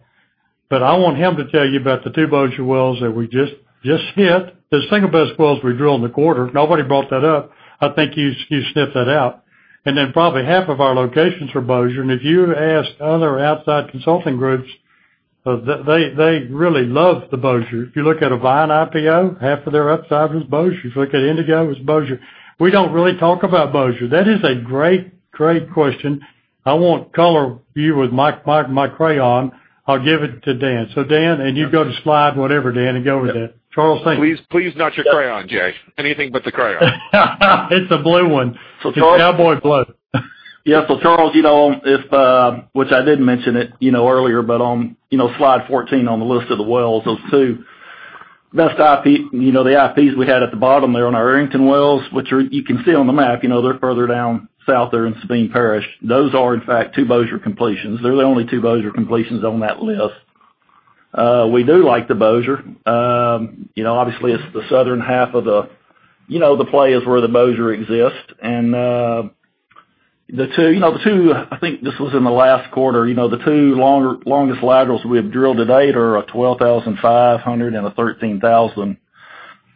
want him to tell you about the two Bossier wells that we just hit. The second-best wells we drilled in the quarter. Nobody brought that up. I think you sniffed that out. Then probably half of our locations are Bossier. If you ask other outside consulting groups, they really love the Bossier. If you look at a Vine IPO, half of their upside was Bossier. If you look at Indigo, it was Bossier. We don't really talk about Bossier. That is a great question. I won't color view with my crayon. I'll give it to Dan. Dan, and you can go to slide whatever, Dan, and go with it. Charles, thank you. Please not your crayon, Jay. Anything but the crayon. It's a blue one. It's a cowboy blue. Yeah. Charles, which I did mention it earlier, but on slide 14 on the list of the wells, those two best IPs we had at the bottom there on our Arrington wells, which you can see on the map, they're further down south there in Sabine Parish. Those are in fact two Bossier completions. They're the only two Bossier completions on that list. We do like the Bossier. Obviously, it's the southern half of the play is where the Bossier exists. The two, I think this was in the last quarter, the two longest laterals we have drilled to date are a 12,500 ft and a 13,000 ft.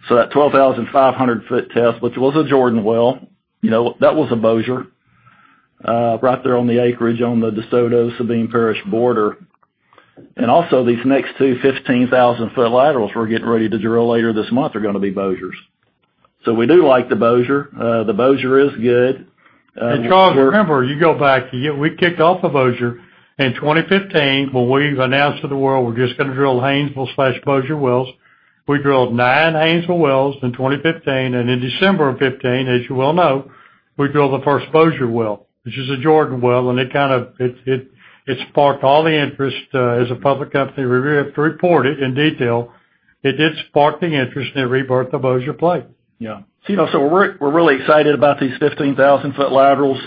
That 12,500-ft test, which was a Jordan well, that was a Bossier, right there on the acreage on the DeSoto, Sabine Parish border. Also these next two 15,000-ft laterals we're getting ready to drill later this month are going to be Bossiers. We do like the Bossier. The Bossier is good. Charles, remember, you go back, we kicked off the Bossier in 2015 when we announced to the world we're just going to drill Haynesville/Bossier wells. We drilled nine Haynesville wells in 2015, and in December of 2015, as you well know, we drilled the first Bossier well, which is a Jordan well, and it sparked all the interest. As a public company, we have to report it in detail. It did spark the interest and it rebirth the Bossier play. Yeah. We're really excited about these 15,000-ft laterals.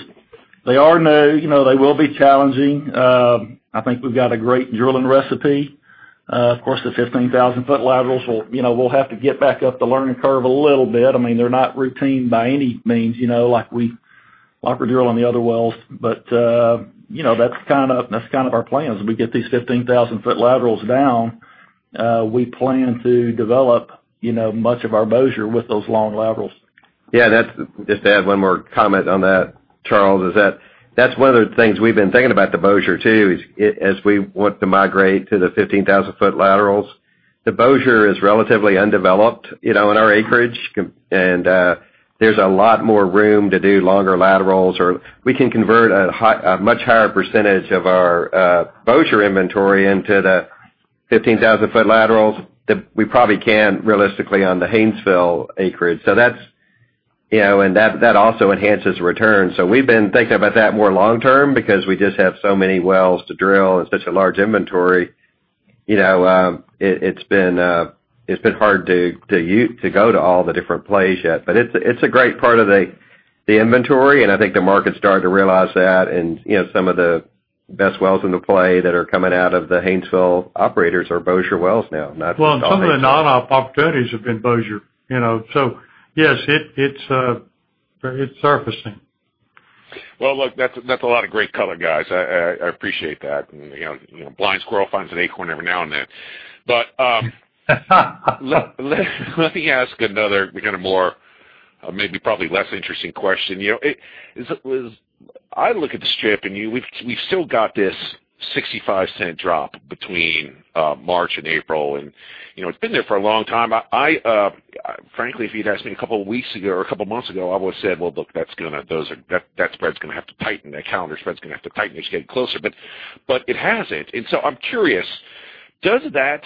They are new. They will be challenging. I think we've got a great drilling recipe. Of course, the 15,000-ft laterals, we'll have to get back up the learning curve a little bit. They're not routine by any means, like we're drilling the other wells. That's our plan. As we get these 15,000-ft laterals down, we plan to develop much of our Bossier with those long laterals. Yeah. Just to add one more comment on that, Charles, that's one of the things we've been thinking about the Bossier too, as we want to migrate to the 15,000-ft laterals. The Bossier is relatively undeveloped in our acreage, there's a lot more room to do longer laterals. We can convert a much higher percentage of our Bossier inventory into the 15,000-ft laterals than we probably can realistically on the Haynesville acreage. That also enhances return. We've been thinking about that more long term because we just have so many wells to drill and such a large inventory. It's been hard to go to all the different plays yet. It's a great part of the inventory, I think the market's starting to realize that. Some of the best wells into play that are coming out of the Haynesville operators are Bossier wells now, not just all Haynesville. Well, some of the non-op opportunities have been Bossier. Yes, it's surfacing. Well, look, that's a lot of great color, guys. I appreciate that. A blind squirrel finds an acorn every now and then. Let me ask another more, maybe probably less interesting question. I look at the strip, and we've still got this $0.65 drop between March and April, and it's been there for a long time. Frankly, if you'd asked me a couple of weeks ago or a couple of months ago, I would've said, "Well, look, that spread's going to have to tighten. That calendar spread's going to have to tighten as you get closer." It hasn't. I'm curious, does that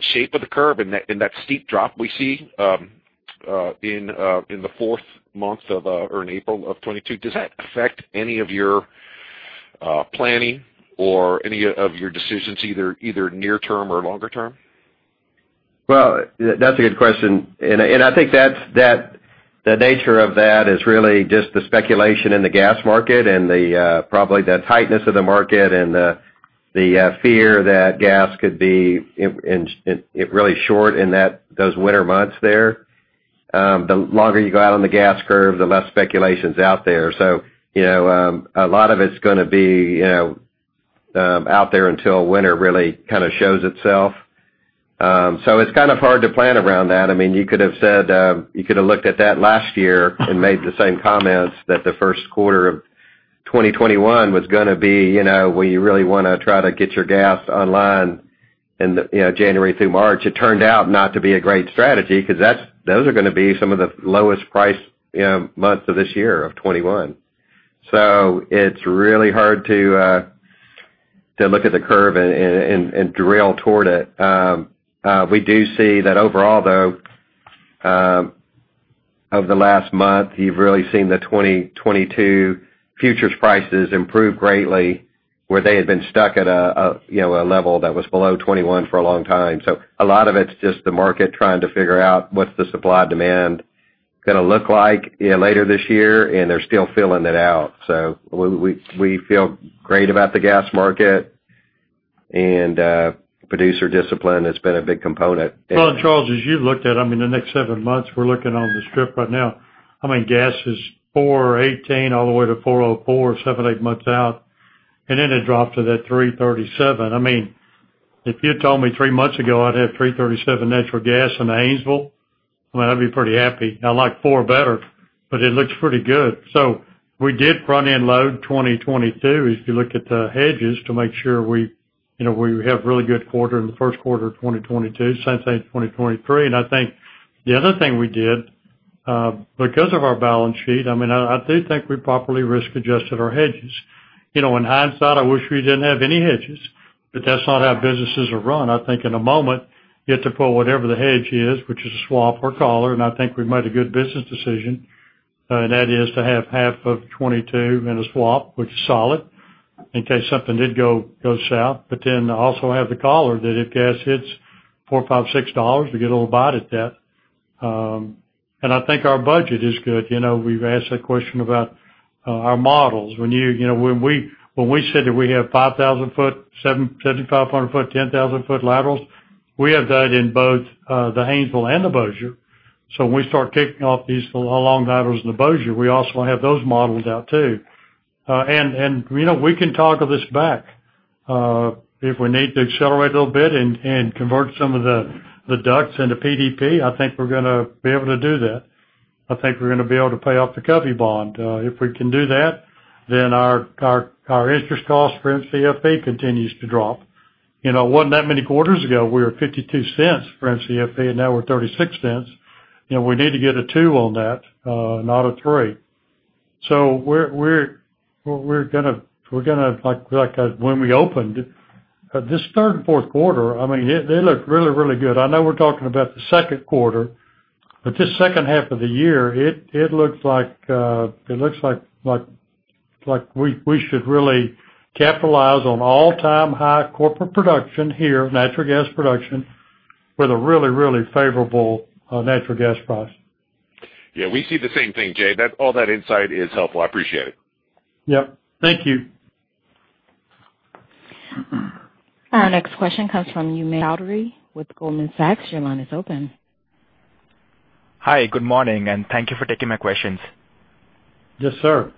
shape of the curve and that steep drop we see in the fourth month or in April of 2022, does that affect any of your planning or any of your decisions, either near term or longer term? Well, that's a good question. I think the nature of that is really just the speculation in the gas market and probably the tightness of the market and the fear that gas could be really short in those winter months there. The longer you go out on the gas curve, the less speculation's out there. A lot of it's going to be out there until winter really shows itself. It's kind of hard to plan around that. You could've looked at that last year and made the same comments, that the first quarter of 2021 was going to be where you really want to try to get your gas online in January through March. It turned out not to be a great strategy because those are going to be some of the lowest priced months of this year, of 2021. It's really hard to look at the curve and drill toward it. We do see that overall, though, over the last month, you've really seen the 2022 futures prices improve greatly, where they had been stuck at a level that was below 2021 for a long time. A lot of it's just the market trying to figure out what's the supply-demand going to look like later this year, and they're still feeling it out. We feel great about the gas market, and producer discipline has been a big component. Well, Charles, as you looked at the next seven months, we're looking on the strip right now. Gas is $4.18 all the way to $4.04, seven, eight months out. Then it dropped to that $3.37. If you'd told me three months ago I'd have $3.37 natural gas in the Haynesville, I'd be pretty happy. I like $4 better, it looks pretty good. We did front-end load 2022, if you look at the hedges, to make sure we have really good quarter in the first quarter of 2022, same thing in 2023. I think the other thing we did, because of our balance sheet, I do think we properly risk-adjusted our hedges. In hindsight, I wish we didn't have any hedges, that's not how businesses are run. I think in a moment, you have to pull whatever the hedge is, which is a swap or collar. I think we made a good business decision. That is to have half of 2022 in a swap, which is solid, in case something did go south. Also have the collar that if gas hits $4, $5, $6, we get a little bite at that. I think our budget is good. We've asked that question about our models. When we said that we have 5,000 ft, 7,500 ft, 10,000-ft laterals, we have that in both the Haynesville and the Bossier. When we start kicking off these long laterals in the Bossier, we also have those modeled out, too. We can toggle this back. If we need to accelerate a little bit and convert some of the DUCs into PDP, I think we're going to be able to do that. I think we're going to be able to pay off the Covey bond. If we can do that, then our interest cost for Mcfe continues to drop. Wasn't that many quarters ago, we were $0.52 for Mcfe, and now we're $0.36. We need to get a two on that, not a three. We're going to, like when we opened, this third and fourth quarter, they look really, really good. I know we're talking about the second quarter, but this second half of the year, it looks like we should really capitalize on all-time high corporate production here, natural gas production, with a really, really favorable natural gas price. Yeah, we see the same thing, Jay. All that insight is helpful. I appreciate it. Yep. Thank you. Our next question comes from Umang Choudhary with Goldman Sachs. Your line is open. Hi, good morning, and thank you for taking my questions. Yes, sir.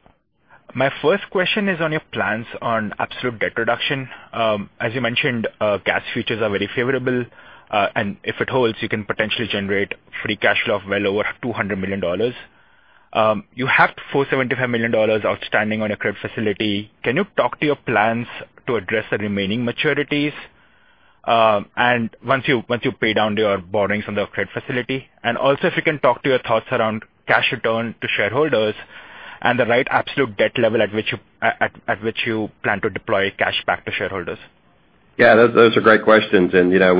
My first question is on your plans on absolute debt reduction. As you mentioned, gas futures are very favorable. If it holds, you can potentially generate free cash flow of well over $200 million. You have $475 million outstanding on a credit facility. Can you talk to your plans to address the remaining maturities once you pay down your borrowings from the credit facility? Also, if you can talk to your thoughts around cash return to shareholders, and the right absolute debt level at which you plan to deploy cash back to shareholders. Yeah, those are great questions. Now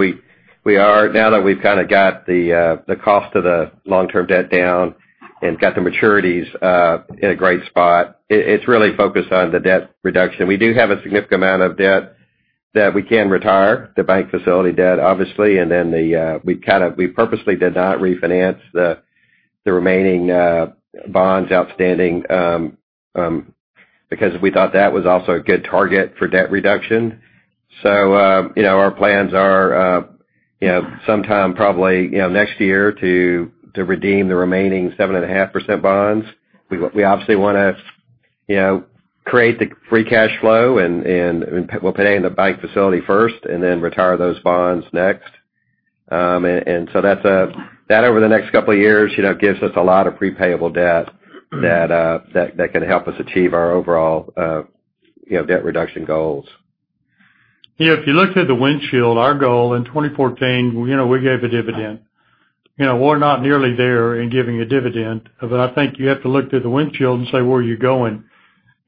that we've got the cost of the long-term debt down and got the maturities in a great spot, it's really focused on the debt reduction. We do have a significant amount of debt that we can retire, the bank facility debt, obviously. Then we purposely did not refinance the remaining bonds outstanding, because we thought that was also a good target for debt reduction. Our plans are sometime probably next year to redeem the remaining 7.5% bonds. We obviously want to create the free cash flow, and we're paying the bank facility first, and then retire those bonds next. That, over the next couple of years, gives us a lot of pre-payable debt that can help us achieve our overall debt reduction goals. If you looked at the windshield, our goal in 2014, we gave a dividend. We're not nearly there in giving a dividend, but I think you have to look through the windshield and say where you're going.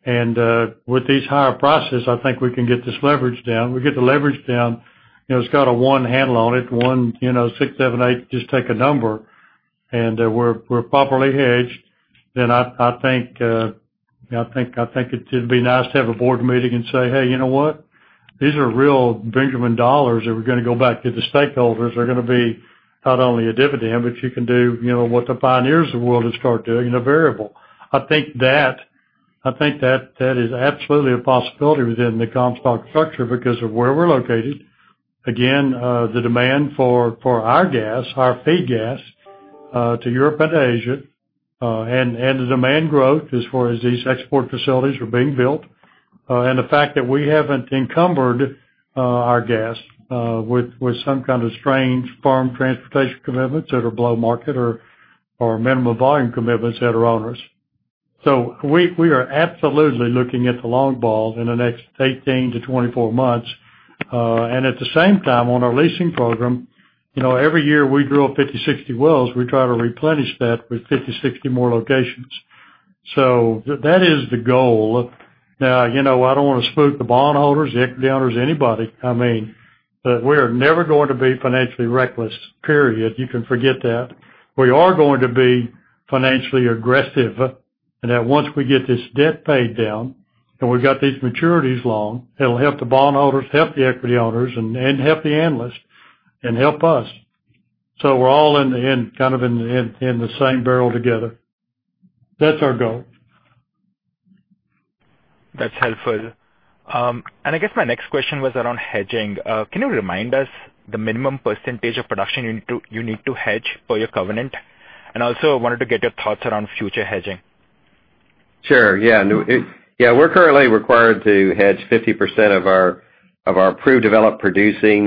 With these higher prices, I think we can get this leverage down. We get the leverage down, it's got a one handle on it, one, six, seven, eight, just take a number. We're properly hedged, then I think it'd be nice to have a board meeting and say, "Hey, you know what. These are real Benjamin dollars that were going to go back to the stakeholders." They're going to be not only a dividend, but you can do what the Pioneer had start doing in a variable. I think that is absolutely a possibility within the Comstock structure because of where we're located. Again, the demand for our gas, our feed gas, to Europe and to Asia, and the demand growth as far as these export facilities are being built, and the fact that we haven't encumbered our gas with some kind of strange firm transportation commitments that are below market or minimum volume commitments that are on us. We are absolutely looking at the long ball in the next 18-24 months. At the same time, on our leasing program, every year we drill 50, 60 wells. We try to replenish that with 50, 60 more locations. That is the goal. Now, I don't want to spook the bondholders, the equity owners, anybody. We're never going to be financially reckless, period. You can forget that. We are going to be financially aggressive. Once we get this debt paid down and we've got these maturities long, it'll help the bondholders, help the equity owners, and help the analysts and help us. We're all in the same barrel together. That's our goal. That's helpful. I guess my next question was around hedging. Can you remind us the minimum percentage of production you need to hedge for your covenant? Also, I wanted to get your thoughts around future hedging. Sure. Yeah. We're currently required to hedge 50% of our proved developed producing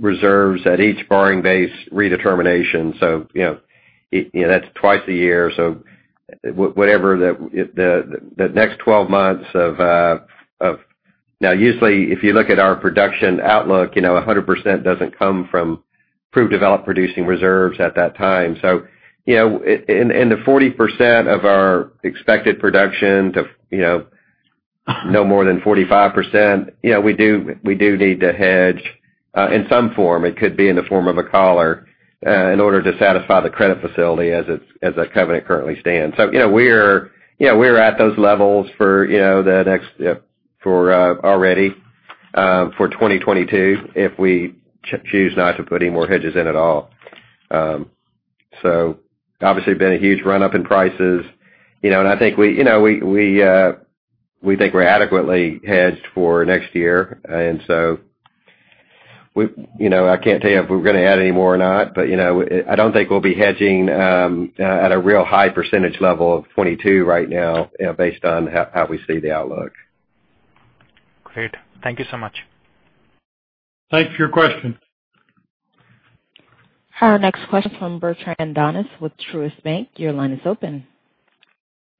reserves at each borrowing base redetermination. That's twice a year. Whatever the next 12 months, usually, if you look at our production outlook, 100% doesn't come from proved developed producing reserves at that time. In the 40% of our expected production to no more than 45%, we do need to hedge, in some form. It could be in the form of a collar, in order to satisfy the credit facility as the covenant currently stands. We're at those levels already for 2022 if we choose not to put any more hedges in at all. Obviously, been a huge run-up in prices, and we think we're adequately hedged for next year, and so I can't tell you if we're going to add any more or not, but I don't think we'll be hedging at a real high percentage level of 2022 right now based on how we see the outlook. Great. Thank you so much. Thanks for your question. Our next question is from Bertrand Donnes with Truist Bank. Your line is open.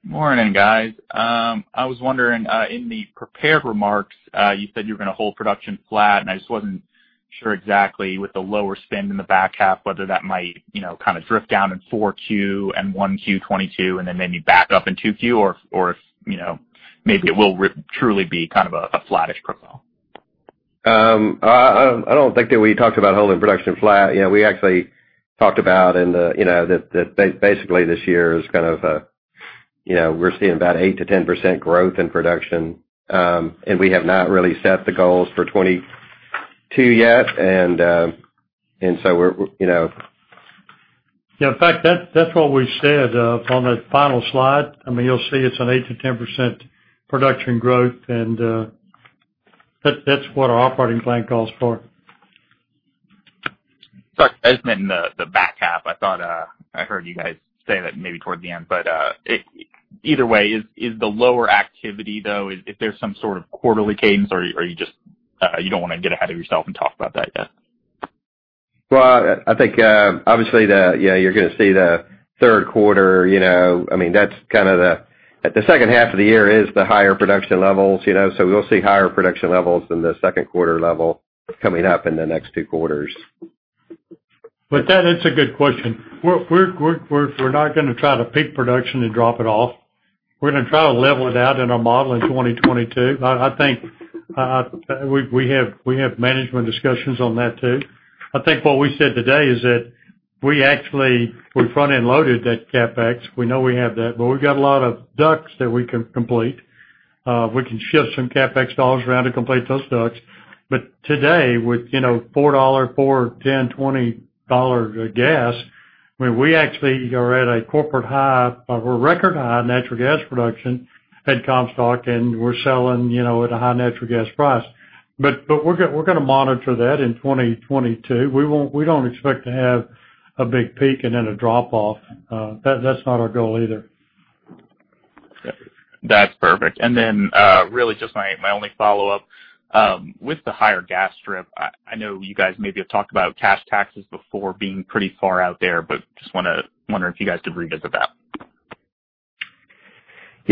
Morning, guys. I was wondering, in the prepared remarks, you said you were going to hold production flat, and I just wasn't sure exactly with the lower spend in the back half, whether that might kind of drift down in 4Q and 1Q 2022, and then maybe back up in 2Q or if maybe it will truly be a flattish profile? I don't think that we talked about holding production flat. We actually talked about that basically this year is kind of a we're seeing about 8%-10% growth in production. We have not really set the goals for 2022 yet. In fact, that's what we said on the final slide. You'll see it's an 8%-10% production growth, that's what our operating plan calls for. Sorry. I just meant in the back half. I thought I heard you guys say that maybe toward the end. Either way, is the lower activity, though, if there's some sort of quarterly cadence, or you don't want to get ahead of yourself and talk about that yet? I think, obviously, you're going to see the third quarter. The second half of the year is the higher production levels. We'll see higher production levels than the second quarter level coming up in the next two quarters. That is a good question. We're not going to try to peak production and drop it off. We're going to try to level it out in our model in 2022. We have management discussions on that, too. I think what we said today is that we actually front-end loaded that CapEx. We know we have that, but we've got a lot of DUCs that we can complete. We can shift some CapEx dollars around to complete those DUCs. Today, with $4, $4, $10, $20 gas, we actually are at a corporate high of a record high natural gas production at Comstock, and we're selling at a high natural gas price. We're going to monitor that in 2022. We don't expect to have a big peak and then a drop-off. That's not our goal either. That's perfect. Really just my only follow-up. With the higher gas strip, I know you guys maybe have talked about cash taxes before being pretty far out there, but just wondering if you guys could read us about.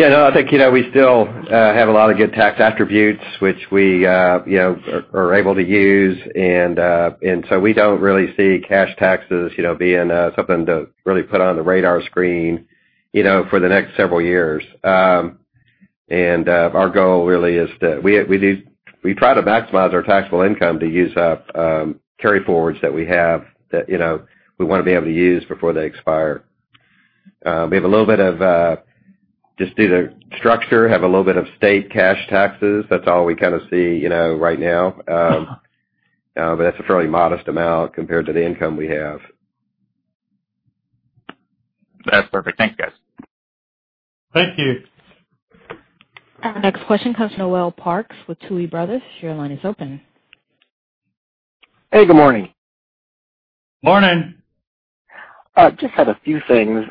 I think we still have a lot of good tax attributes which we are able to use. We don't really see cash taxes being something to really put on the radar screen for the next several years. Our goal really is that we try to maximize our taxable income to use up carry-forwards that we have, that we want to be able to use before they expire. We have a little bit of, just due to structure, have a little bit of state cash taxes. That's all we see right now. That's a fairly modest amount compared to the income we have. That's perfect. Thanks, guys. Thank you. Our next question comes from Noel Parks with Tuohy Brothers. Your line is open. Hey, good morning. Morning. Just had a few things.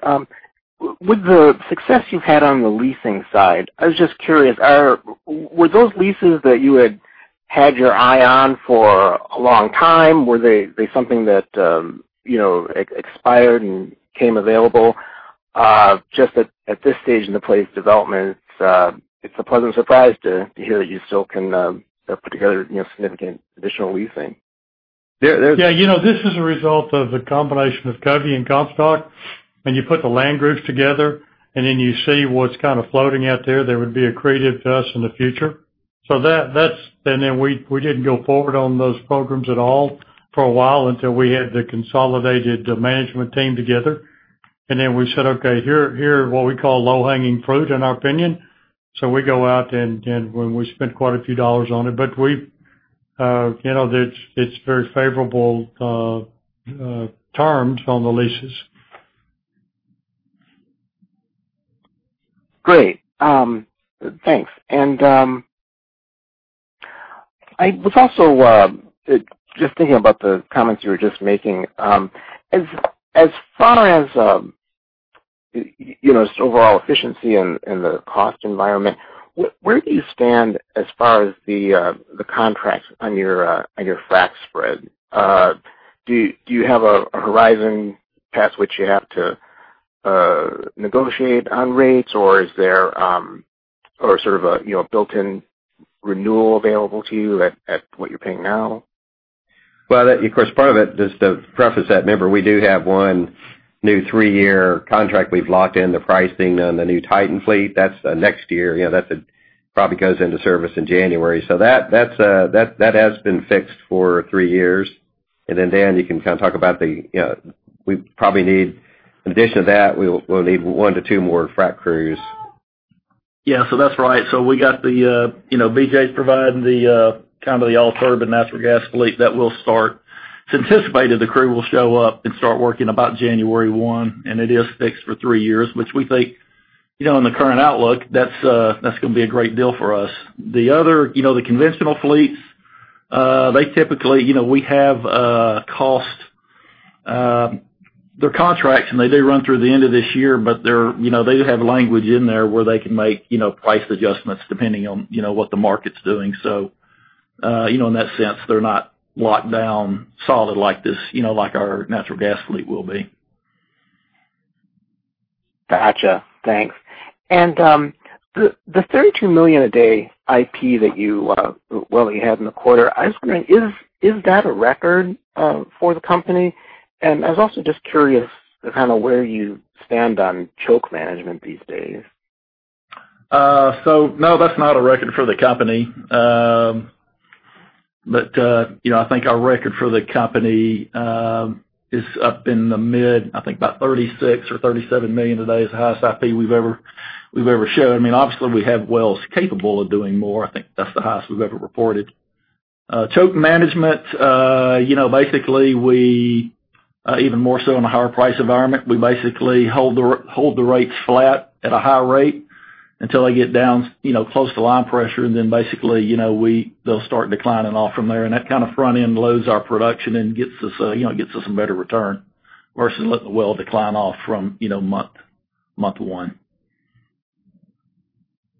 With the success you've had on the leasing side, I was just curious, were those leases that you had had your eye on for a long time? Were they something that expired and came available? Just that at this stage in the play's development, it's a pleasant surprise to hear that you still can put together significant additional leasing. Yeah. This is a result of the combination of Covey and Comstock, and you put the land groups together, and then you see what's floating out there that would be accretive to us in the future. We didn't go forward on those programs at all for a while, until we had the consolidated management team together. We said, "Okay, here are what we call low-hanging fruit, in our opinion." We go out, and we spent quite a few dollars on it. It's very favorable terms on the leases. Great. Thanks. I was also just thinking about the comments you were just making. As far as overall efficiency and the cost environment, where do you stand as far as the contracts on your frac spread? Do you have a horizon past which you have to negotiate on rates, or is there sort of a built-in renewal available to you at what you're paying now? Well, of course, part of it, just to preface that, remember, we do have one new three-year contract we've locked in the pricing on, the new TITAN fleet. That's next year. That probably goes into service in January. That has been fixed for three years. Dan, you can talk about, we probably need, in addition to that, we'll need one to two more frac crews. Yeah. That's right. We got BJ's providing the all-TITAN natural gas fleet. That will start. It's anticipated the crew will show up and start working about January 1, and it is fixed for three years, which we think, in the current outlook, that's going to be a great deal for us. The other, the conventional fleets, they typically, we have cost, they're contracts, and they do run through the end of this year, but they have language in there where they can make price adjustments depending on what the market's doing. In that sense, they're not locked down solid like our natural gas fleet will be. Gotcha. Thanks. The $32 million a day IP that you had in the quarter, I was wondering, is that a record for the company? I was also just curious kind of where you stand on choke management these days. No, that's not a record for the company. I think our record for the company is up in the mid, I think, about 36 million or 37 million a day is the highest IP we've ever shown. Obviously, we have wells capable of doing more. I think that's the highest we've ever reported. Choke management, basically we, even more so in a higher price environment, we basically hold the rates flat at a high rate until they get down close to line pressure, and then basically, they'll start declining off from there. That front-end loads our production and gets us a better return versus letting the well decline off from month one.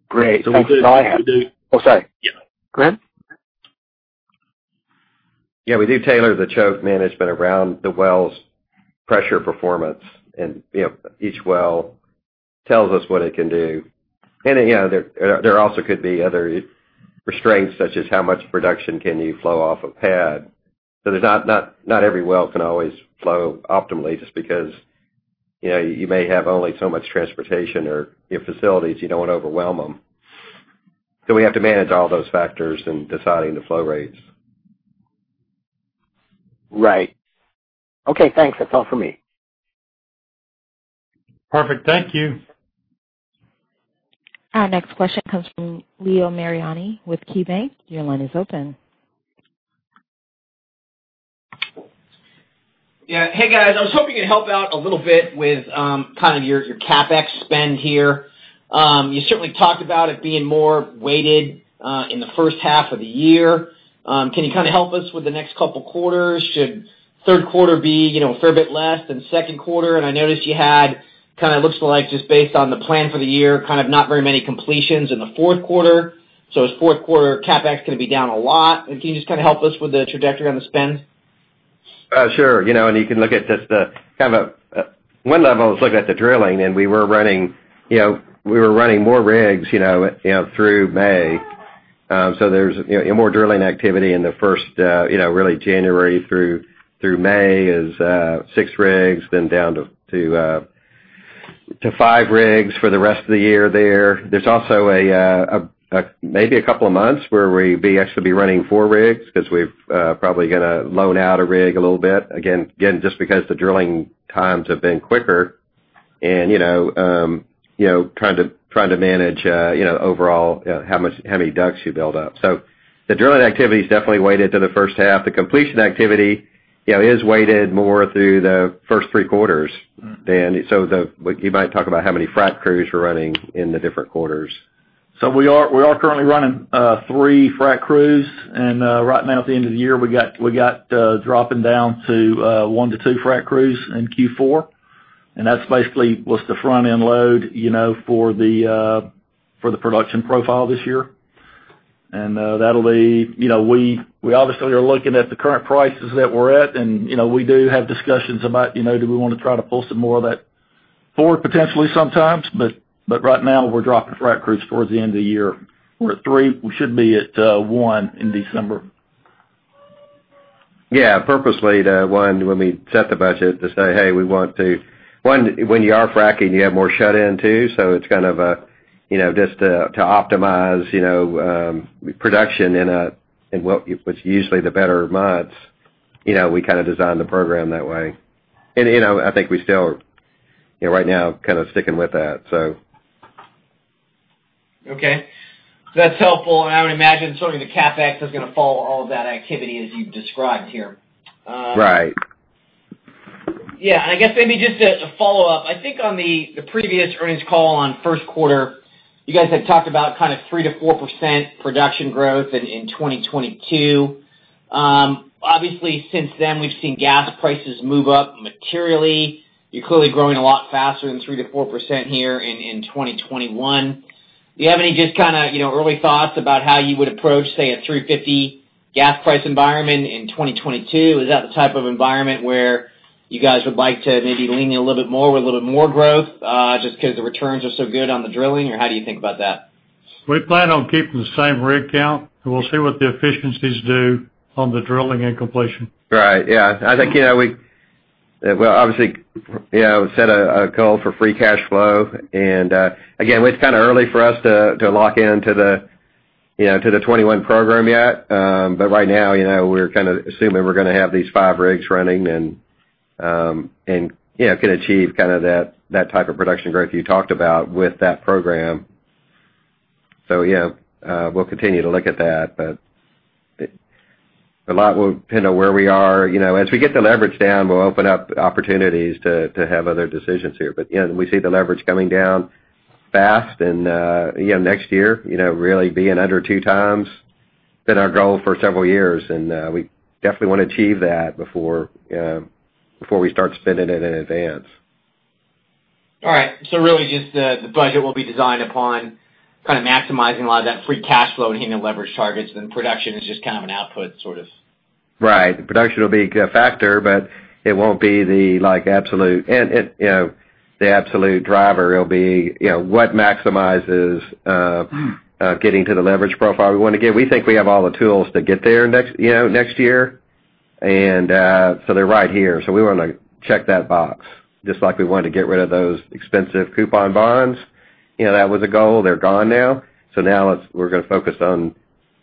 Great. That's all I had. So we do- Oh, sorry. Yeah. Go ahead. Yeah, we do tailor the choke management around the well's pressure performance, each well tells us what it can do. There also could be other restraints, such as how much production can you flow off a pad. Not every well can always flow optimally just because you may have only so much transportation or you have facilities, you don't want to overwhelm them. We have to manage all those factors in deciding the flow rates. Right. Okay, thanks. That's all for me. Perfect. Thank you. Our next question comes from Leo Mariani with KeyBanc. Your line is open. Yeah. Hey, guys. I was hoping you'd help out a little bit with your CapEx spend here. You certainly talked about it being more weighted in the first half of the year. Can you help us with the next couple quarters? Should third quarter be a fair bit less than second quarter? I noticed you had kind of looks like, just based on the plan for the year, not very many completions in the fourth quarter. Is fourth quarter CapEx going to be down a lot? Can you just help us with the trajectory on the spend? Sure. You can look at just the kind of one level is look at the drilling, and we were running more rigs through May. So there's more drilling activity in the first, really January through May is six rigs, then down to five rigs for the rest of the year there. There's also maybe a couple of months where we'd actually be running four rigs because we've probably going to loan out a rig a little bit. Again, just because the drilling times have been quicker and trying to manage overall how many DUCs you build up. The drilling activity is definitely weighted to the first half. The completion activity is weighted more through the first three quarters. You might talk about how many frac crews we're running in the different quarters. We are currently running three frac crews, and right now at the end of the year, we got dropping down to one to two frac crews in Q4. That's basically what's the front-end load for the production profile this year. We obviously are looking at the current prices that we're at, and we do have discussions about do we want to try to pull some more of that forward potentially sometimes. Right now, we're dropping frac crews towards the end of the year. We're at three. We should be at one in December. Yeah. Purposely, when we set the budget. One, when you are fracking, you have more shut in, too. It's kind of just to optimize production in what's usually the better months. We kind of designed the program that way. I think we still are right now kind of sticking with that, so. Okay. That's helpful. I would imagine certainly the CapEx is going to follow all of that activity as you've described here. Right. Yeah. I guess maybe just a follow-up. I think on the previous earnings call on first quarter, you guys had talked about 3%-4% production growth in 2022. Obviously, since then, we've seen gas prices move up materially. You're clearly growing a lot faster than 3%-4% here in 2021. Do you have any just early thoughts about how you would approach, say, a $3.50 gas price environment in 2022? Is that the type of environment where you guys would like to maybe lean in a little bit more with a little bit more growth, just because the returns are so good on the drilling, or how do you think about that? We plan on keeping the same rig count, and we'll see what the efficiencies do on the drilling and completion. Right. Yeah. I think, we obviously set a goal for free cash flow. Again, it's early for us to lock into the 2021 program yet. Right now, we're assuming we're going to have these five rigs running and can achieve that type of production growth you talked about with that program. Yeah. We'll continue to look at that. A lot will depend on where we are. As we get the leverage down, we'll open up opportunities to have other decisions here. We see the leverage coming down fast and next year, really being under 2x. It's been our goal for several years, and we definitely want to achieve that before we start spending it in advance. All right. Really just the budget will be designed upon maximizing a lot of that free cash flow and hitting the leverage targets. Production is just an output sort of. Right. The production will be a factor, but it won't be the absolute. The absolute driver will be what maximizes getting to the leverage profile we want to get. We think we have all the tools to get there next year. They're right here. We want to check that box, just like we wanted to get rid of those expensive coupon bonds. That was a goal. They're gone now. Now we're going to focus on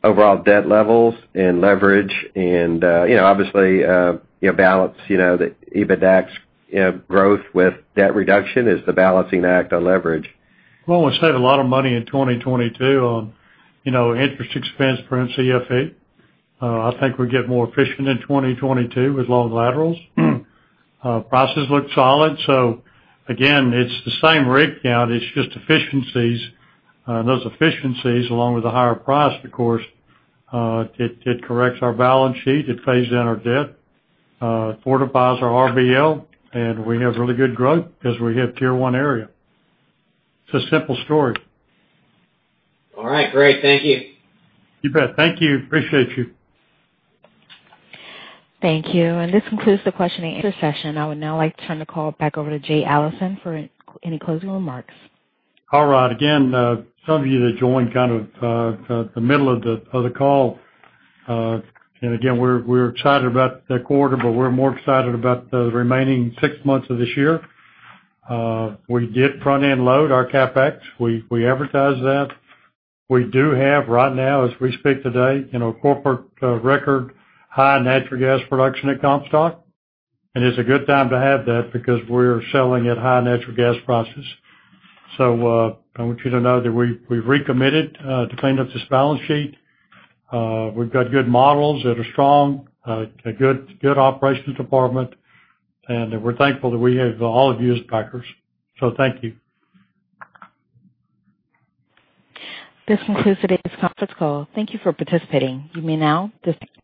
overall debt levels and leverage and obviously, balance the EBITDAX growth with debt reduction is the balancing act on leverage. Well, we saved a lot of money in 2022 on interest expense per Mcfe. I think we get more efficient in 2022 with long laterals. Prices look solid. Again, it's the same rig count. It's just efficiencies. Those efficiencies, along with the higher price, of course, it corrects our balance sheet. It pays down our debt, fortifies our RBL, and we have really good growth because we have Tier 1 area. It's a simple story. All right, great. Thank you. You bet. Thank you. Appreciate you. Thank you. This concludes the question and answer session. I would now like to turn the call back over to Jay Allison for any closing remarks. All right. Again, some of you that joined the middle of the call, again, we're excited about the quarter, but we're more excited about the remaining six months of this year. We did front-end load our CapEx. We advertised that. We do have right now, as we speak today, corporate record high natural gas production at Comstock. It's a good time to have that because we're selling at high natural gas prices. I want you to know that we've recommitted to clean up this balance sheet. We've got good models that are strong, a good operations department, and we're thankful that we have all of you as backers. Thank you. This concludes today's conference call. Thank you for participating. You may now disconnect.